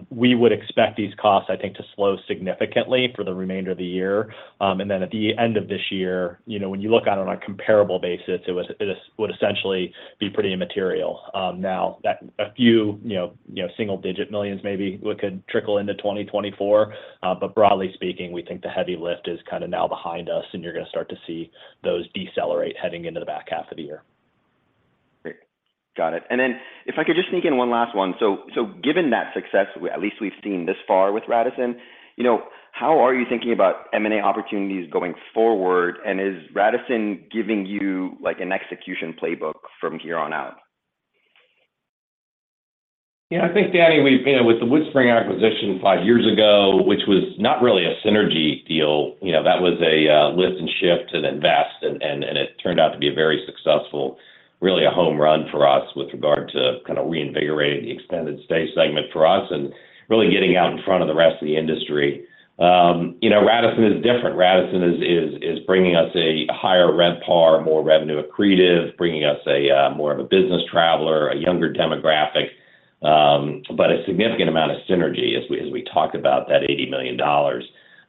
We would expect these costs, I think, to slow significantly for the remainder of the year. Then at the end of this year, you know, when you look at it on a comparable basis, it would essentially be pretty immaterial. Now, that a few, you know, you know, single-digit millions, maybe would, could trickle into 2024, but broadly speaking, we think the heavy lift is kind of now behind us, and you're going to start to see those decelerate heading into the back half of the year. Great. Got it. Then if I could just sneak in one last one. Given that success, at least we've seen this far with Radisson, you know, how are you thinking about M&A opportunities going forward? Is Radisson giving you, like, an execution playbook from here on out? Yeah, I think, Danny, we've, you know, with the WoodSpring Suites acquisition 5 years ago, which was not really a synergy deal, you know, that was a lift and shift and invest, and it turned out to be a very successful, really a home run for us with regard to kind of reinvigorating the extended-stay segment for us and really getting out in front of the rest of the industry. You know, Radisson is different. Radisson is bringing us a higher RevPAR, more revenue accretive, bringing us a more of a business traveler, a younger demographic, but a significant amount of synergy as we, as we talk about that $80 million.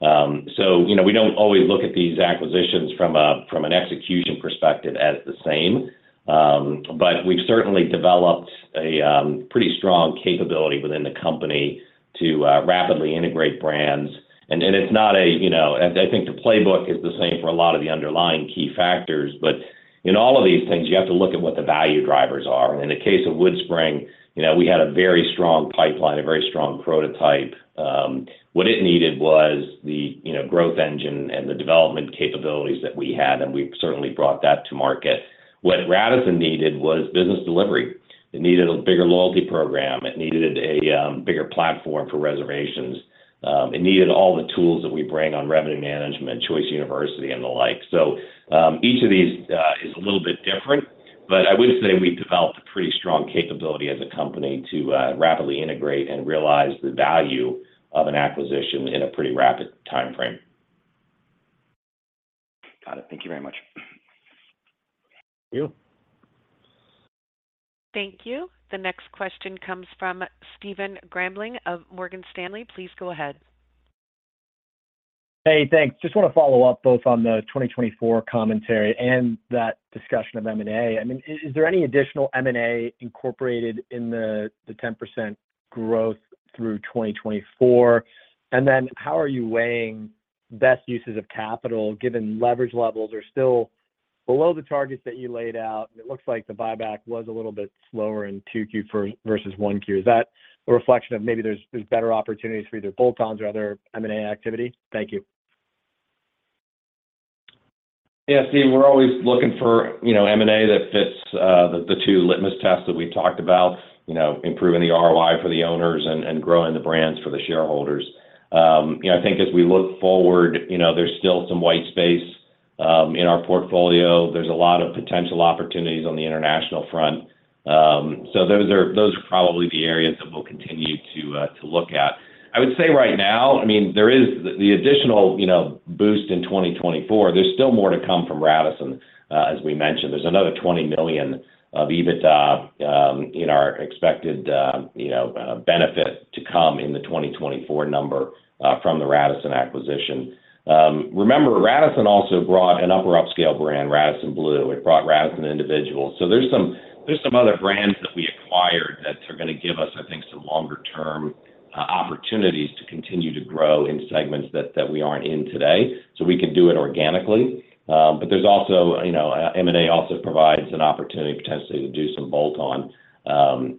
You know, we don't always look at these acquisitions from an execution perspective as the same. We've certainly developed a pretty strong capability within the company to rapidly integrate brands. It's not a, you know, I, I think the playbook is the same for a lot of the underlying key factors, but in all of these things, you have to look at what the value drivers are. In the case of WoodSpring, you know, we had a very strong pipeline, a very strong prototype. What it needed was the, you know, growth engine and the development capabilities that we had, and we certainly brought that to market. What Radisson needed was business delivery. It needed a bigger loyalty program. It needed a bigger platform for reservations. It needed all the tools that we bring on revenue management, Choice University, and the like. Each of these is a little bit different, but I would say we've developed a pretty strong capability as a company to rapidly integrate and realize the value of an acquisition in a pretty rapid time frame. Got it. Thank you very much. Thank you. Thank you. The next question comes from Stephen Grambling of Morgan Stanley. Please go ahead. Hey, thanks. Just want to follow up both on the 2024 commentary and that discussion of M&A. I mean, is there any additional M&A incorporated in the 10% growth through 2024? How are you weighing best uses of capital, given leverage levels are still below the targets that you laid out? It looks like the buyback was a little bit slower in 2Q4 versus 1Q. Is that a reflection of maybe there's better opportunities for either bolt-ons or other M&A activity? Thank you. Yeah, Steve, we're always looking for, you know, M&A that fits the, the two litmus tests that we've talked about, you know, improving the ROI for the owners and, and growing the brands for the shareholders. You know, I think as we look forward, you know, there's still some white space in our portfolio. There's a lot of potential opportunities on the international front. So those are, those are probably the areas that we'll continue to to look at. I would say right now, I mean, there is the, the additional, you know, boost in 2024. There's still more to come from Radisson, as we mentioned. There's another $20 million of EBITDA in our expected, you know, benefit to come in the 2024 number from the Radisson acquisition. Remember, Radisson also brought an upper upscale brand, Radisson Blu. It brought Radisson Individuals. There's some, there's some other brands that we acquired that are going to give us, I think, some longer-term opportunities to continue to grow in segments that, that we aren't in today. We can do it organically, but there's also, you know, M&A also provides an opportunity, potentially, to do some bolt-on,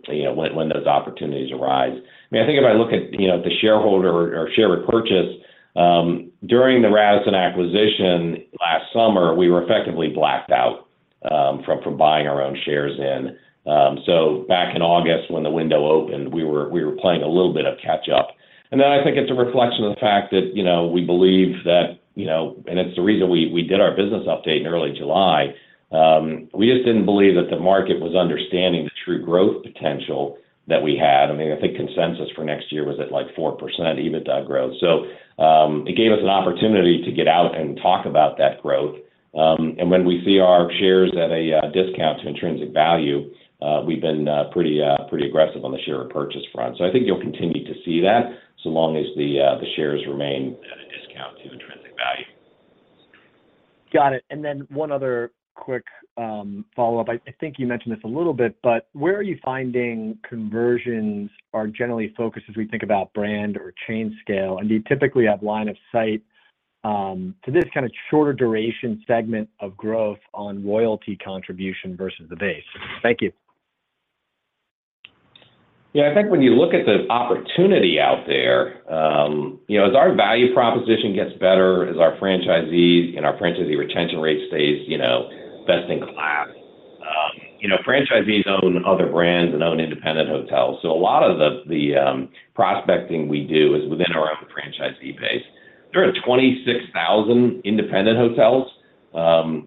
you know, when, when those opportunities arise. I mean, I think if I look at, you know, the shareholder or share repurchase, during the Radisson acquisition last summer, we were effectively blacked out from, from buying our own shares in. Back in August, when the window opened, we were, we were playing a little bit of catch up. I think it's a reflection of the fact that, you know, we believe that, you know, and it's the reason we, we did our business update in early July. We just didn't believe that the market was understanding the true growth potential that we had. I mean, I think consensus for next year was at, like, 4% EBITDA growth. It gave us an opportunity to get out and talk about that growth. When we see our shares at a discount to intrinsic value, we've been pretty aggressive on the share purchase front. I think you'll continue to see that so long as the shares remain at a discount to intrinsic value. Got it. Then one other quick follow-up. I, I think you mentioned this a little bit, but where are you finding conversions are generally focused as we think about brand or chain scale? Do you typically have line of sight to this kind of shorter duration segment of growth on royalty contribution versus the base? Thank you. Yeah, I think when you look at the opportunity out there, you know, as our value proposition gets better, as our franchisees and our franchisee retention rate stays, you know, best in class. You know, franchisees own other brands and own independent hotels, so a lot of the, the, prospecting we do is within our own franchisee base. There are 26,000 independent hotels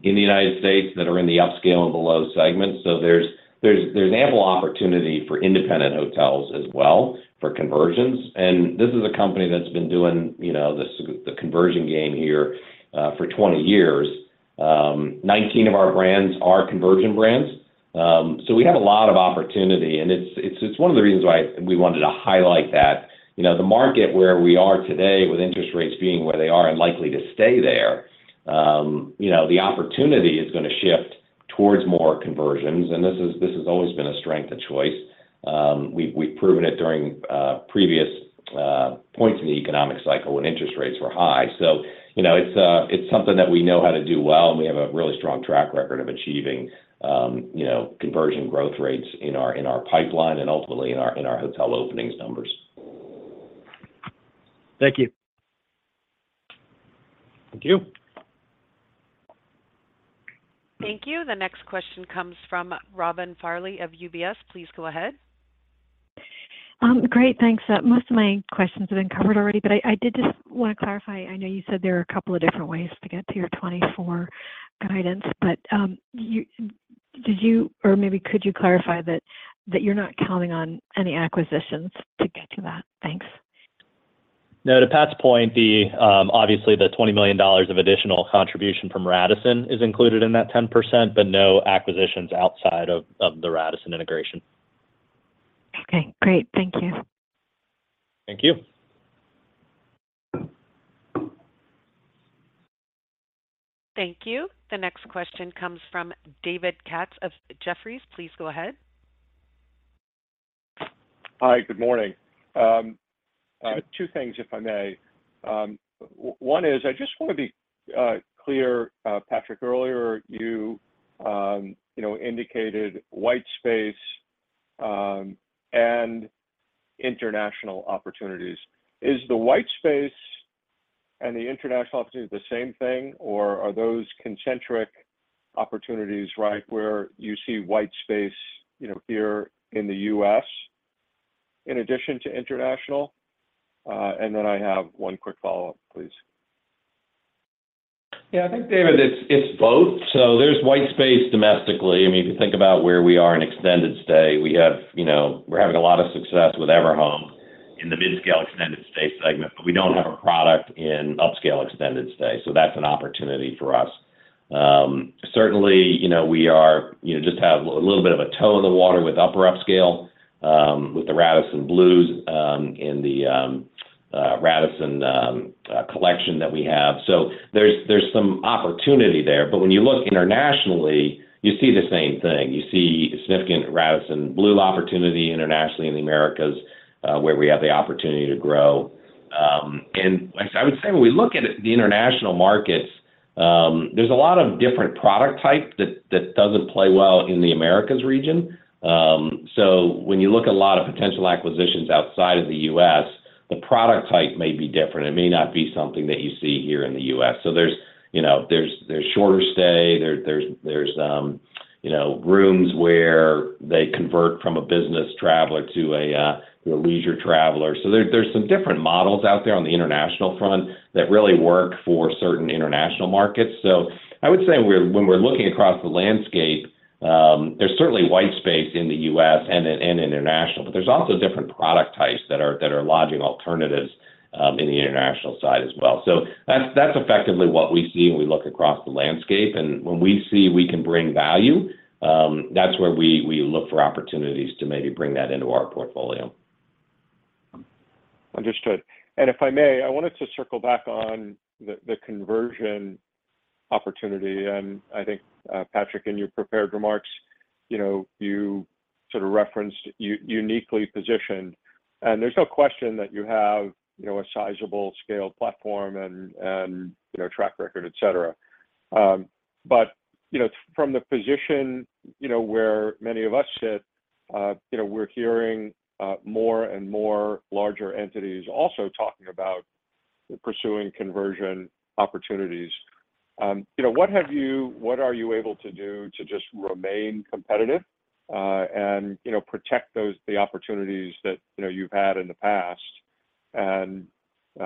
in the United States that are in the upscale and below segments, so there's, there's, there's ample opportunity for independent hotels as well, for conversions. This is a company that's been doing, you know, this, the conversion game here, for 20 years. 19 of our brands are conversion brands. We have a lot of opportunity, and it's, it's, it's one of the reasons why we wanted to highlight that. You know, the market where we are today, with interest rates being where they are and likely to stay there, you know, the opportunity is going to shift towards more conversions, and this is, this has always been a strength of Choice. We've, we've proven it during previous points in the economic cycle when interest rates were high. You know, it's something that we know how to do well, and we have a really strong track record of achieving, you know, conversion growth rates in our, in our pipeline and ultimately in our, in our hotel openings numbers. Thank you. Thank you. Thank you. The next question comes from Robin Farley of UBS. Please go ahead. Great, thanks. Most of my questions have been covered already, but I, I did just want to clarify: I know you said there are a couple of different ways to get to your 2024 guidance, but, did you, or maybe could you clarify that, that you're not counting on any acquisitions to get to that? Thanks. No, to Pat's point, obviously, the $20 million of additional contribution from Radisson is included in that 10%, but no acquisitions outside of the Radisson integration. Okay, great. Thank you. Thank you. Thank you. The next question comes from David Katz of Jefferies. Please go ahead. Hi, good morning. 2 things, if I may. One is, I just want to be clear, Patrick, earlier you, you know, indicated white space and international opportunities. Is the white space and the international opportunity the same thing, or are those concentric opportunities, right, where you see white space, you know, here in the U.S. in addition to international? Then I have 1 quick follow-up, please. Yeah, I think, David, it's, it's both. There's white space domestically. I mean, if you think about where we are in extended stay, we have... You know, we're having a lot of success with Everhome in the mid-scale extended stay segment, but we don't have a product in upscale extended stay, so that's an opportunity for us. Certainly, you know, just have a little bit of a toe in the water with upper upscale with the Radisson Blu's and the Radisson Collection that we have. There's, there's some opportunity there. When you look internationally, you see the same thing. You see significant Radisson Blu opportunity internationally in the Americas, where we have the opportunity to grow. I, I would say when we look at the international markets, there's a lot of different product type that, that doesn't play well in the Americas region. When you look at a lot of potential acquisitions outside of the U.S., the product type may be different. It may not be something that you see here in the U.S. There's, you know, there's, there's shorter stay, there, there's, there's, you know, rooms where they convert from a business traveler to a, you know, leisure traveler. There, there's some different models out there on the international front that really work for certain international markets. I would say when we're, when we're looking across the landscape, there's certainly white space in the U.S. and in, and international, but there's also different product types that are, that are lodging alternatives, in the international side as well. That's, that's effectively what we see when we look across the landscape, and when we see we can bring value, that's where we, we look for opportunities to maybe bring that into our portfolio. Understood. If I may, I wanted to circle back on the conversion opportunity. I think, Patrick, in your prepared remarks, you know, you sort of referenced uniquely positioned, and there's no question that you have, you know, a sizable scale platform and, you know, track record, et cetera. But, you know, from the position, you know, where many of us sit, you know, we're hearing more and more larger entities also talking about pursuing conversion opportunities. You know, what are you able to do to just remain competitive, and, you know, protect those, the opportunities that, you know, you've had in the past and, you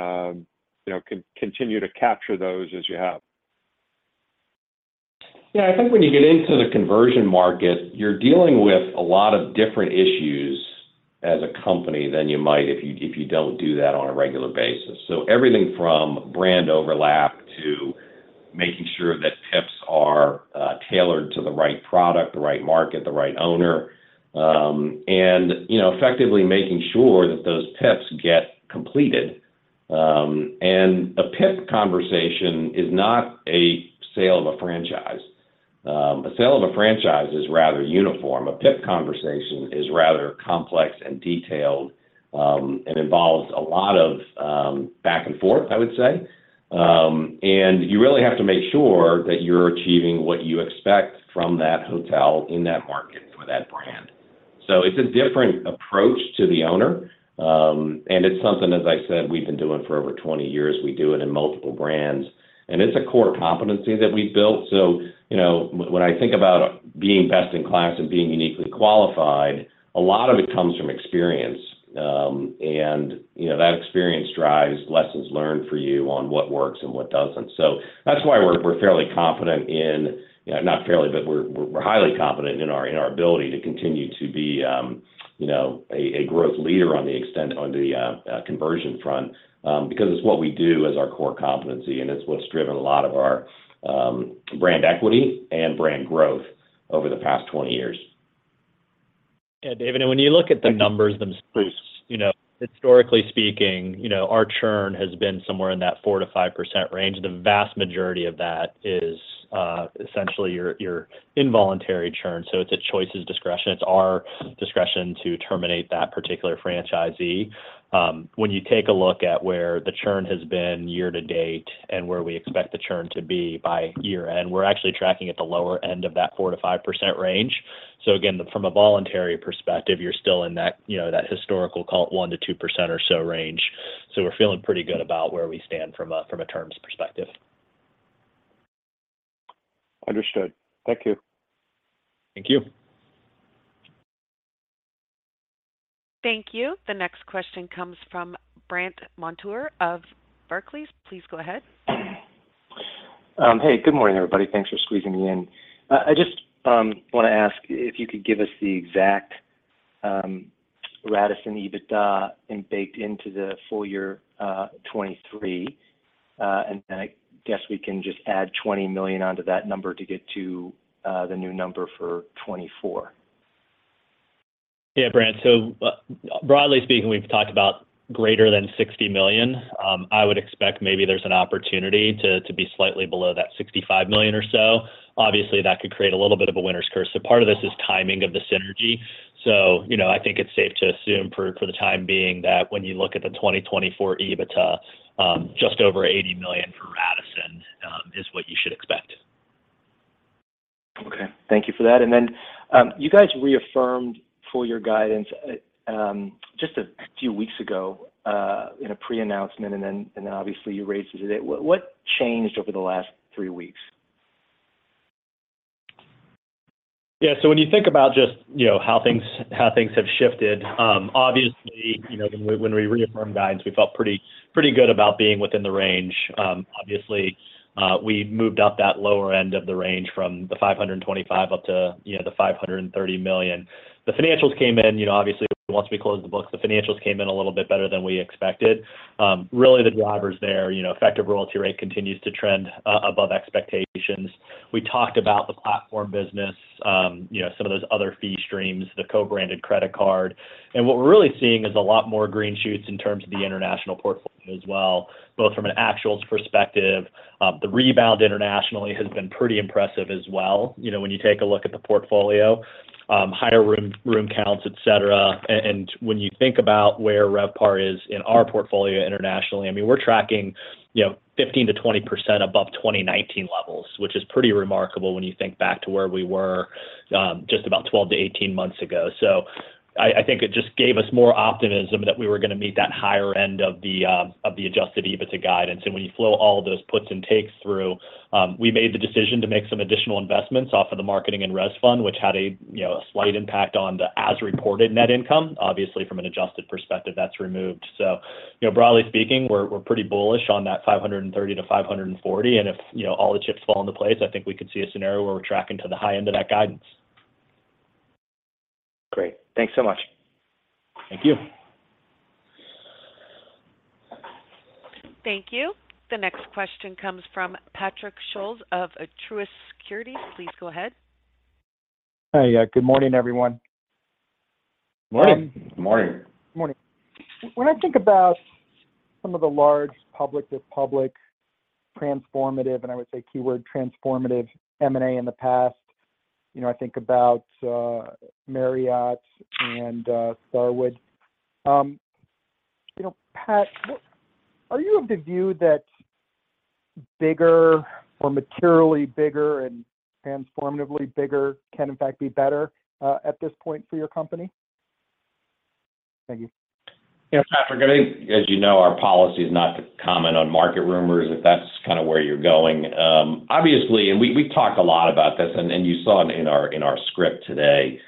know, continue to capture those as you have? Yeah, I think when you get into the conversion market, you're dealing with a lot of different issues as a company than you might if you, if you don't do that on a regular basis. Everything from brand overlap to making sure that PIPs are tailored to the right product, the right market, the right owner, and, you know, effectively making sure that those PIPs get completed. A PIP conversation is not a sale of a franchise. A sale of a franchise is rather uniform. A PIP conversation is rather complex and detailed, and involves a lot of back and forth, I would say. You really have to make sure that you're achieving what you expect from that hotel in that market for that brand. It's a different approach to the owner, and it's something, as I said, we've been doing for over 20 years. We do it in multiple brands, and it's a core competency that we've built. You know, when, when I think about being best in class and being uniquely qualified, a lot of it comes from experience, and, you know, that experience drives lessons learned for you on what works and what doesn't. That's why we're, we're fairly confident in, not fairly, but we're, we're, we're highly confident in our, in our ability to continue to be, you know, a, a growth leader on the conversion front, because it's what we do as our core competency, and it's what's driven a lot of our, brand equity and brand growth over the past 20 years. Yeah, David, when you look at the numbers themselves. You know, historically speaking, you know, our churn has been somewhere in that 4%-5% range. The vast majority of that is essentially your, your involuntary churn, so it's a Choice's discretion. It's our discretion to terminate that particular franchisee. When you take a look at where the churn has been year to date and where we expect the churn to be by year-end, we're actually tracking at the lower end of that 4%-5% range. Again, from a voluntary perspective, you're still in that, you know, that historical call it 1%-2% or so range. We're feeling pretty good about where we stand from a, from a terms perspective. Understood. Thank you. Thank you. Thank you. The next question comes from Brandt Montour of Barclays. Please go ahead. Hey, good morning, everybody. Thanks for squeezing me in. I just want to ask if you could give us the exact Radisson EBITDA and baked into the full year 2023. Then I guess we can just add $20 million onto that number to get to the new number for 2024. Yeah, Brandt. Broadly speaking, we've talked about greater than $60 million. I would expect maybe there's an opportunity to be slightly below that $65 million or so. Obviously, that could create a little bit of a winner's curse. Part of this is timing of the synergy. You know, I think it's safe to assume for the time being, that when you look at the 2024 EBITDA, just over $80 million for Radisson is what you should expect. Okay. Thank you for that. Then, you guys reaffirmed for your guidance, just a few weeks ago, in a pre-announcement, and then, and then obviously you raised it today. What, what changed over the last three weeks? Yeah, so when you think about just, you know, how things, how things have shifted, obviously, you know, when, when we reaffirmed guidance, we felt pretty, pretty good about being within the range. Obviously, we moved up that lower end of the range from the 525 up to, you know, the $530 million. The financials came in, you know, obviously, once we closed the books, the financials came in a little bit better than we expected. Really, the drivers there, you know, effective royalty rate continues to trend above expectations. We talked about the platform business, you know, some of those other fee streams, the co-branded credit card. What we're really seeing is a lot more green shoots in terms of the international portfolio as well, both from an actual perspective. The rebound internationally has been pretty impressive as well, you know, when you take a look at the portfolio, higher room, room counts, et cetera. When you think about where RevPAR is in our portfolio internationally, I mean, we're tracking, you know, 15%-20% above 2019 levels, which is pretty remarkable when you think back to where we were, just about 12-18 months ago. I, I think it just gave us more optimism that we were going to meet that higher end of the, of the Adjusted EBITDA guidance. When you flow all those puts and takes through, we made the decision to make some additional investments off of the marketing and res fund, which had a, you know, a slight impact on the as reported net income. Obviously, from an adjusted perspective, that's removed. You know, broadly speaking, we're pretty bullish on that $530-$540, and if, you know, all the chips fall into place, I think we could see a scenario where we're tracking to the high end of that guidance. Great. Thanks so much. Thank you. Thank you. The next question comes from Patrick Scholes of Truist Securities. Please go ahead. Hi. Yeah, good morning, everyone. Morning, morning. Morning. When I think about some of the large public to public transformative, and I would say keyword transformative, M&A in the past, you know, I think about Marriott and Starwood. You know, Pat, are you of the view that bigger or materially bigger and transformatively bigger can, in fact, be better at this point for your company? Thank you. Yeah, Patrick, I think, as you know, our policy is not to comment on market rumors, if that's kind of where you're going. Obviously, and we, we've talked a lot about this, and, and you saw in our, in our script today,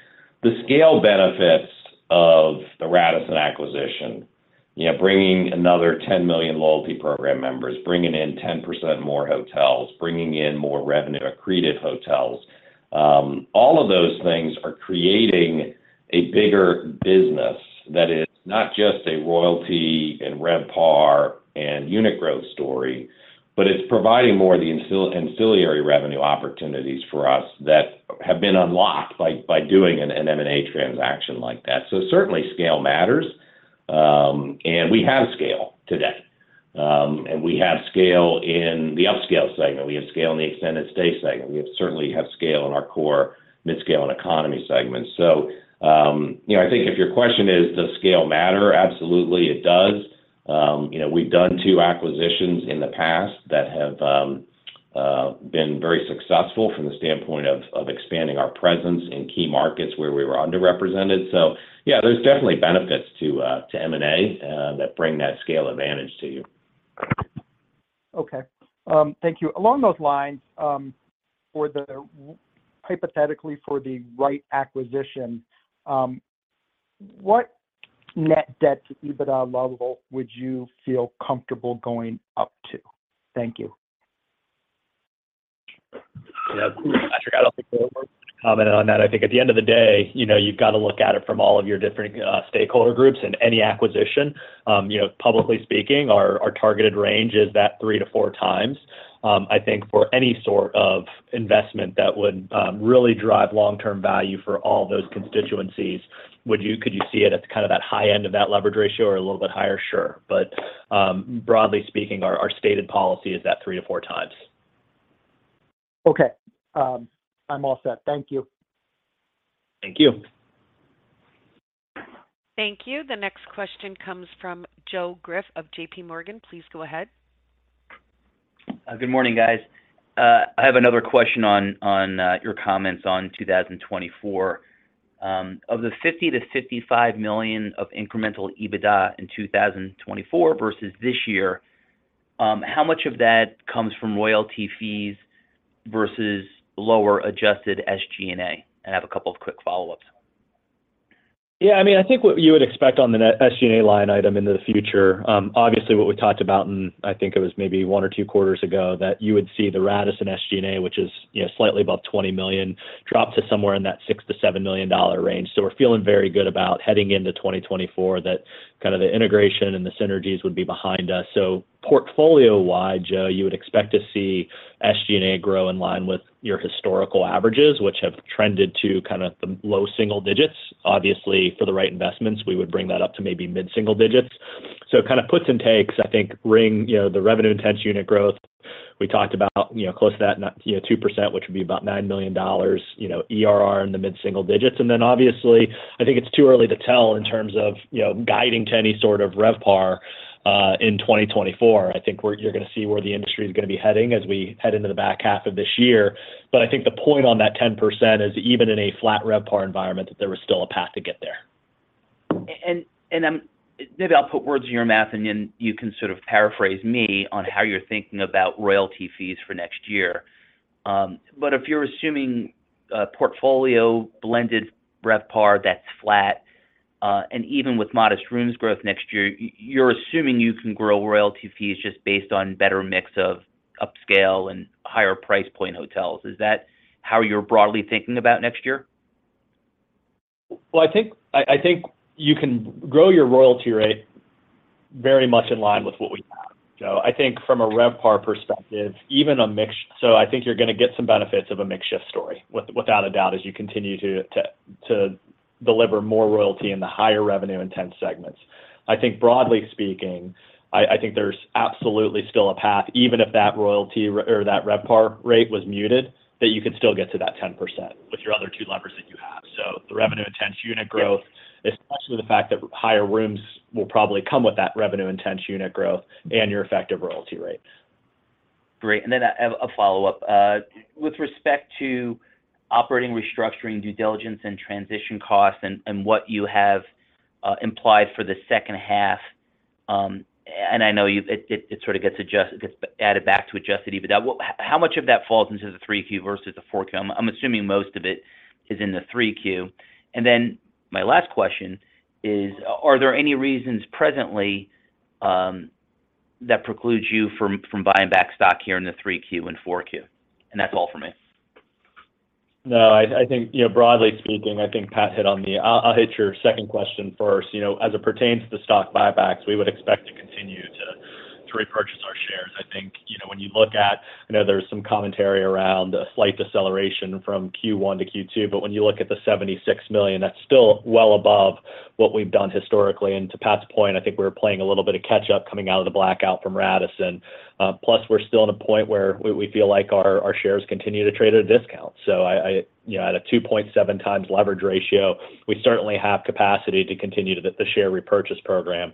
the scale benefits of the Radisson acquisition. You know, bringing another 10 million loyalty program members, bringing in 10% more hotels, bringing in more revenue, accreted hotels. All of those things are creating a bigger business that is not just a royalty and RevPAR and unit growth story, but it's providing more of the incremental ancillary revenue opportunities for us that have been unlocked by doing an M&A transaction like that. Certainly scale matters, and we have scale today. We have scale in the upscale segment, we have scale in the extended stay segment. We certainly have scale in our core mid-scale and economy segments. You know, I think if your question is, does scale matter? Absolutely, it does. You know, we've done 2 acquisitions in the past that have been very successful from the standpoint of, of expanding our presence in key markets where we were underrepresented. Yeah, there's definitely benefits to M&A that bring that scale advantage to you. Okay. Thank you. Along those lines, hypothetically, for the right acquisition, what net debt to EBITDA level would you feel comfortable going up to? Thank you. You know, Patrick, I don't think comment on that. I think at the end of the day, you know, you've got to look at it from all of your different stakeholder groups in any acquisition. You know, publicly speaking, our, our targeted range is that 3x-4x. I think for any sort of investment that would really drive long-term value for all those constituencies, could you see it at kind of that high end of that leverage ratio or a little bit higher? Sure. Broadly speaking, our, our stated policy is that 3x-4x. Okay. I'm all set. Thank you. Thank you. Thank you. The next question comes from Joe Greff of JPMorgan. Please go ahead. Good morning, guys. I have another question on, on, your comments on 2024. Of the $50 million-$55 million of incremental EBITDA in 2024 versus this year, how much of that comes from royalty fees versus lower adjusted SG&A? I have a couple of quick follow-ups. Yeah, I mean, I think what you would expect on the SG&A line item in the future, obviously, what we talked about in, I think it was maybe one or two quarters ago, that you would see the Radisson SG&A, which is, you know, slightly above $20 million, drop to somewhere in that $6 million-$7 million range. We're feeling very good about heading into 2024, that the integration and the synergies would be behind us. Portfolio-wide, Joe, you would expect to see SG&A grow in line with your historical averages, which have trended to kind of the low single digits. Obviously, for the right investments, we would bring that up to maybe mid-single digits. It puts and takes, I think, Ring, you know, the revenue intense unit growth. We talked about, you know, close to that, you know, 2%, which would be about $9 million, you know, ERR in the mid-single digits. Then obviously, I think it's too early to tell in terms of, you know, guiding to any sort of RevPAR in 2024. I think you're going to see where the industry is going to be heading as we head into the back half of this year. I think the point on that 10% is even in a flat RevPAR environment, that there was still a path to get there. And, maybe I'll put words in your mouth, and then you can sort of paraphrase me on how you're thinking about royalty fees for next year. If you're assuming a portfolio blended RevPAR that's flat, and even with modest rooms growth next year, you're assuming you can grow royalty fees just based on better mix of upscale and higher price point hotels. Is that how you're broadly thinking about next year? Well, I think, I think you can grow your royalty rate very much in line with what we have. I think from a RevPAR perspective, even a mix. I think you're going to get some benefits of a mix shift story, without a doubt, as you continue to deliver more royalty in the higher revenue intense segments. I think broadly speaking, I think there's absolutely still a path, even if that royalty or that RevPAR rate was muted, that you could still get to that 10% with your other two levers that you have. The revenue intense unit growth, especially the fact that higher rooms will probably come with that revenue intense unit growth and your effective royalty rates. Great. Then a follow-up. With respect to operating, restructuring, due diligence, and transition costs, and what you have implied for the second half, I know you've gets added back to Adjusted EBITDA. How much of that falls into the 3Q versus the 4Q? I'm assuming most of it is in the 3Q. Then my last question is, are there any reasons presently that precludes you from buying back stock here in the 3Q and 4Q? That's all for me. No, I, I think, you know, broadly speaking, I think Pat hit on the. I'll, I'll hit your second question first. You know, as it pertains to the stock buybacks, we would expect to continue to repurchase our shares. I think, you know, when you look at, I know there's some commentary around a slight deceleration from Q1 to Q2, but when you look at the $76 million, that's still well above what we've done historically. To Pat's point, I think we're playing a little bit of catch up coming out of the blackout from Radisson. Plus, we're still at a point where we feel like our shares continue to trade at a discount. I, you know, at a 2.7x leverage ratio, we certainly have capacity to continue to the share repurchase program.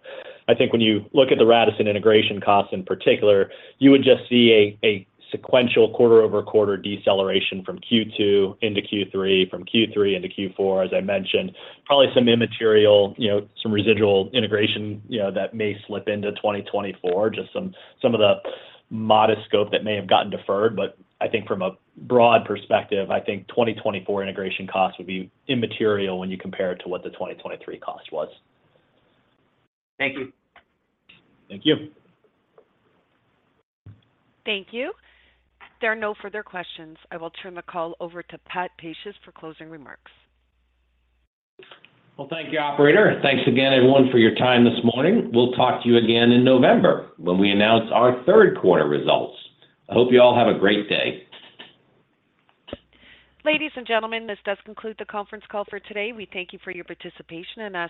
I think when you look at the Radisson integration costs in particular, you would just see a, a sequential quarter-over-quarter deceleration from Q2 into Q3, from Q3 into Q4, as I mentioned, probably some immaterial, you know, some residual integration, you know, that may slip into 2024, just some, some of the modest scope that may have gotten deferred. I think from a broad perspective, I think 2024 integration costs would be immaterial when you compare it to what the 2023 cost was. Thank you. Thank you. Thank you. There are no further questions. I will turn the call over to Patrick Pacious for closing remarks. Well, thank you, operator. Thanks again, everyone, for your time this morning. We'll talk to you again in November when we announce our third quarter results. I hope you all have a great day. Ladies and gentlemen, this does conclude the conference call for today. We thank you for your participation and ask that-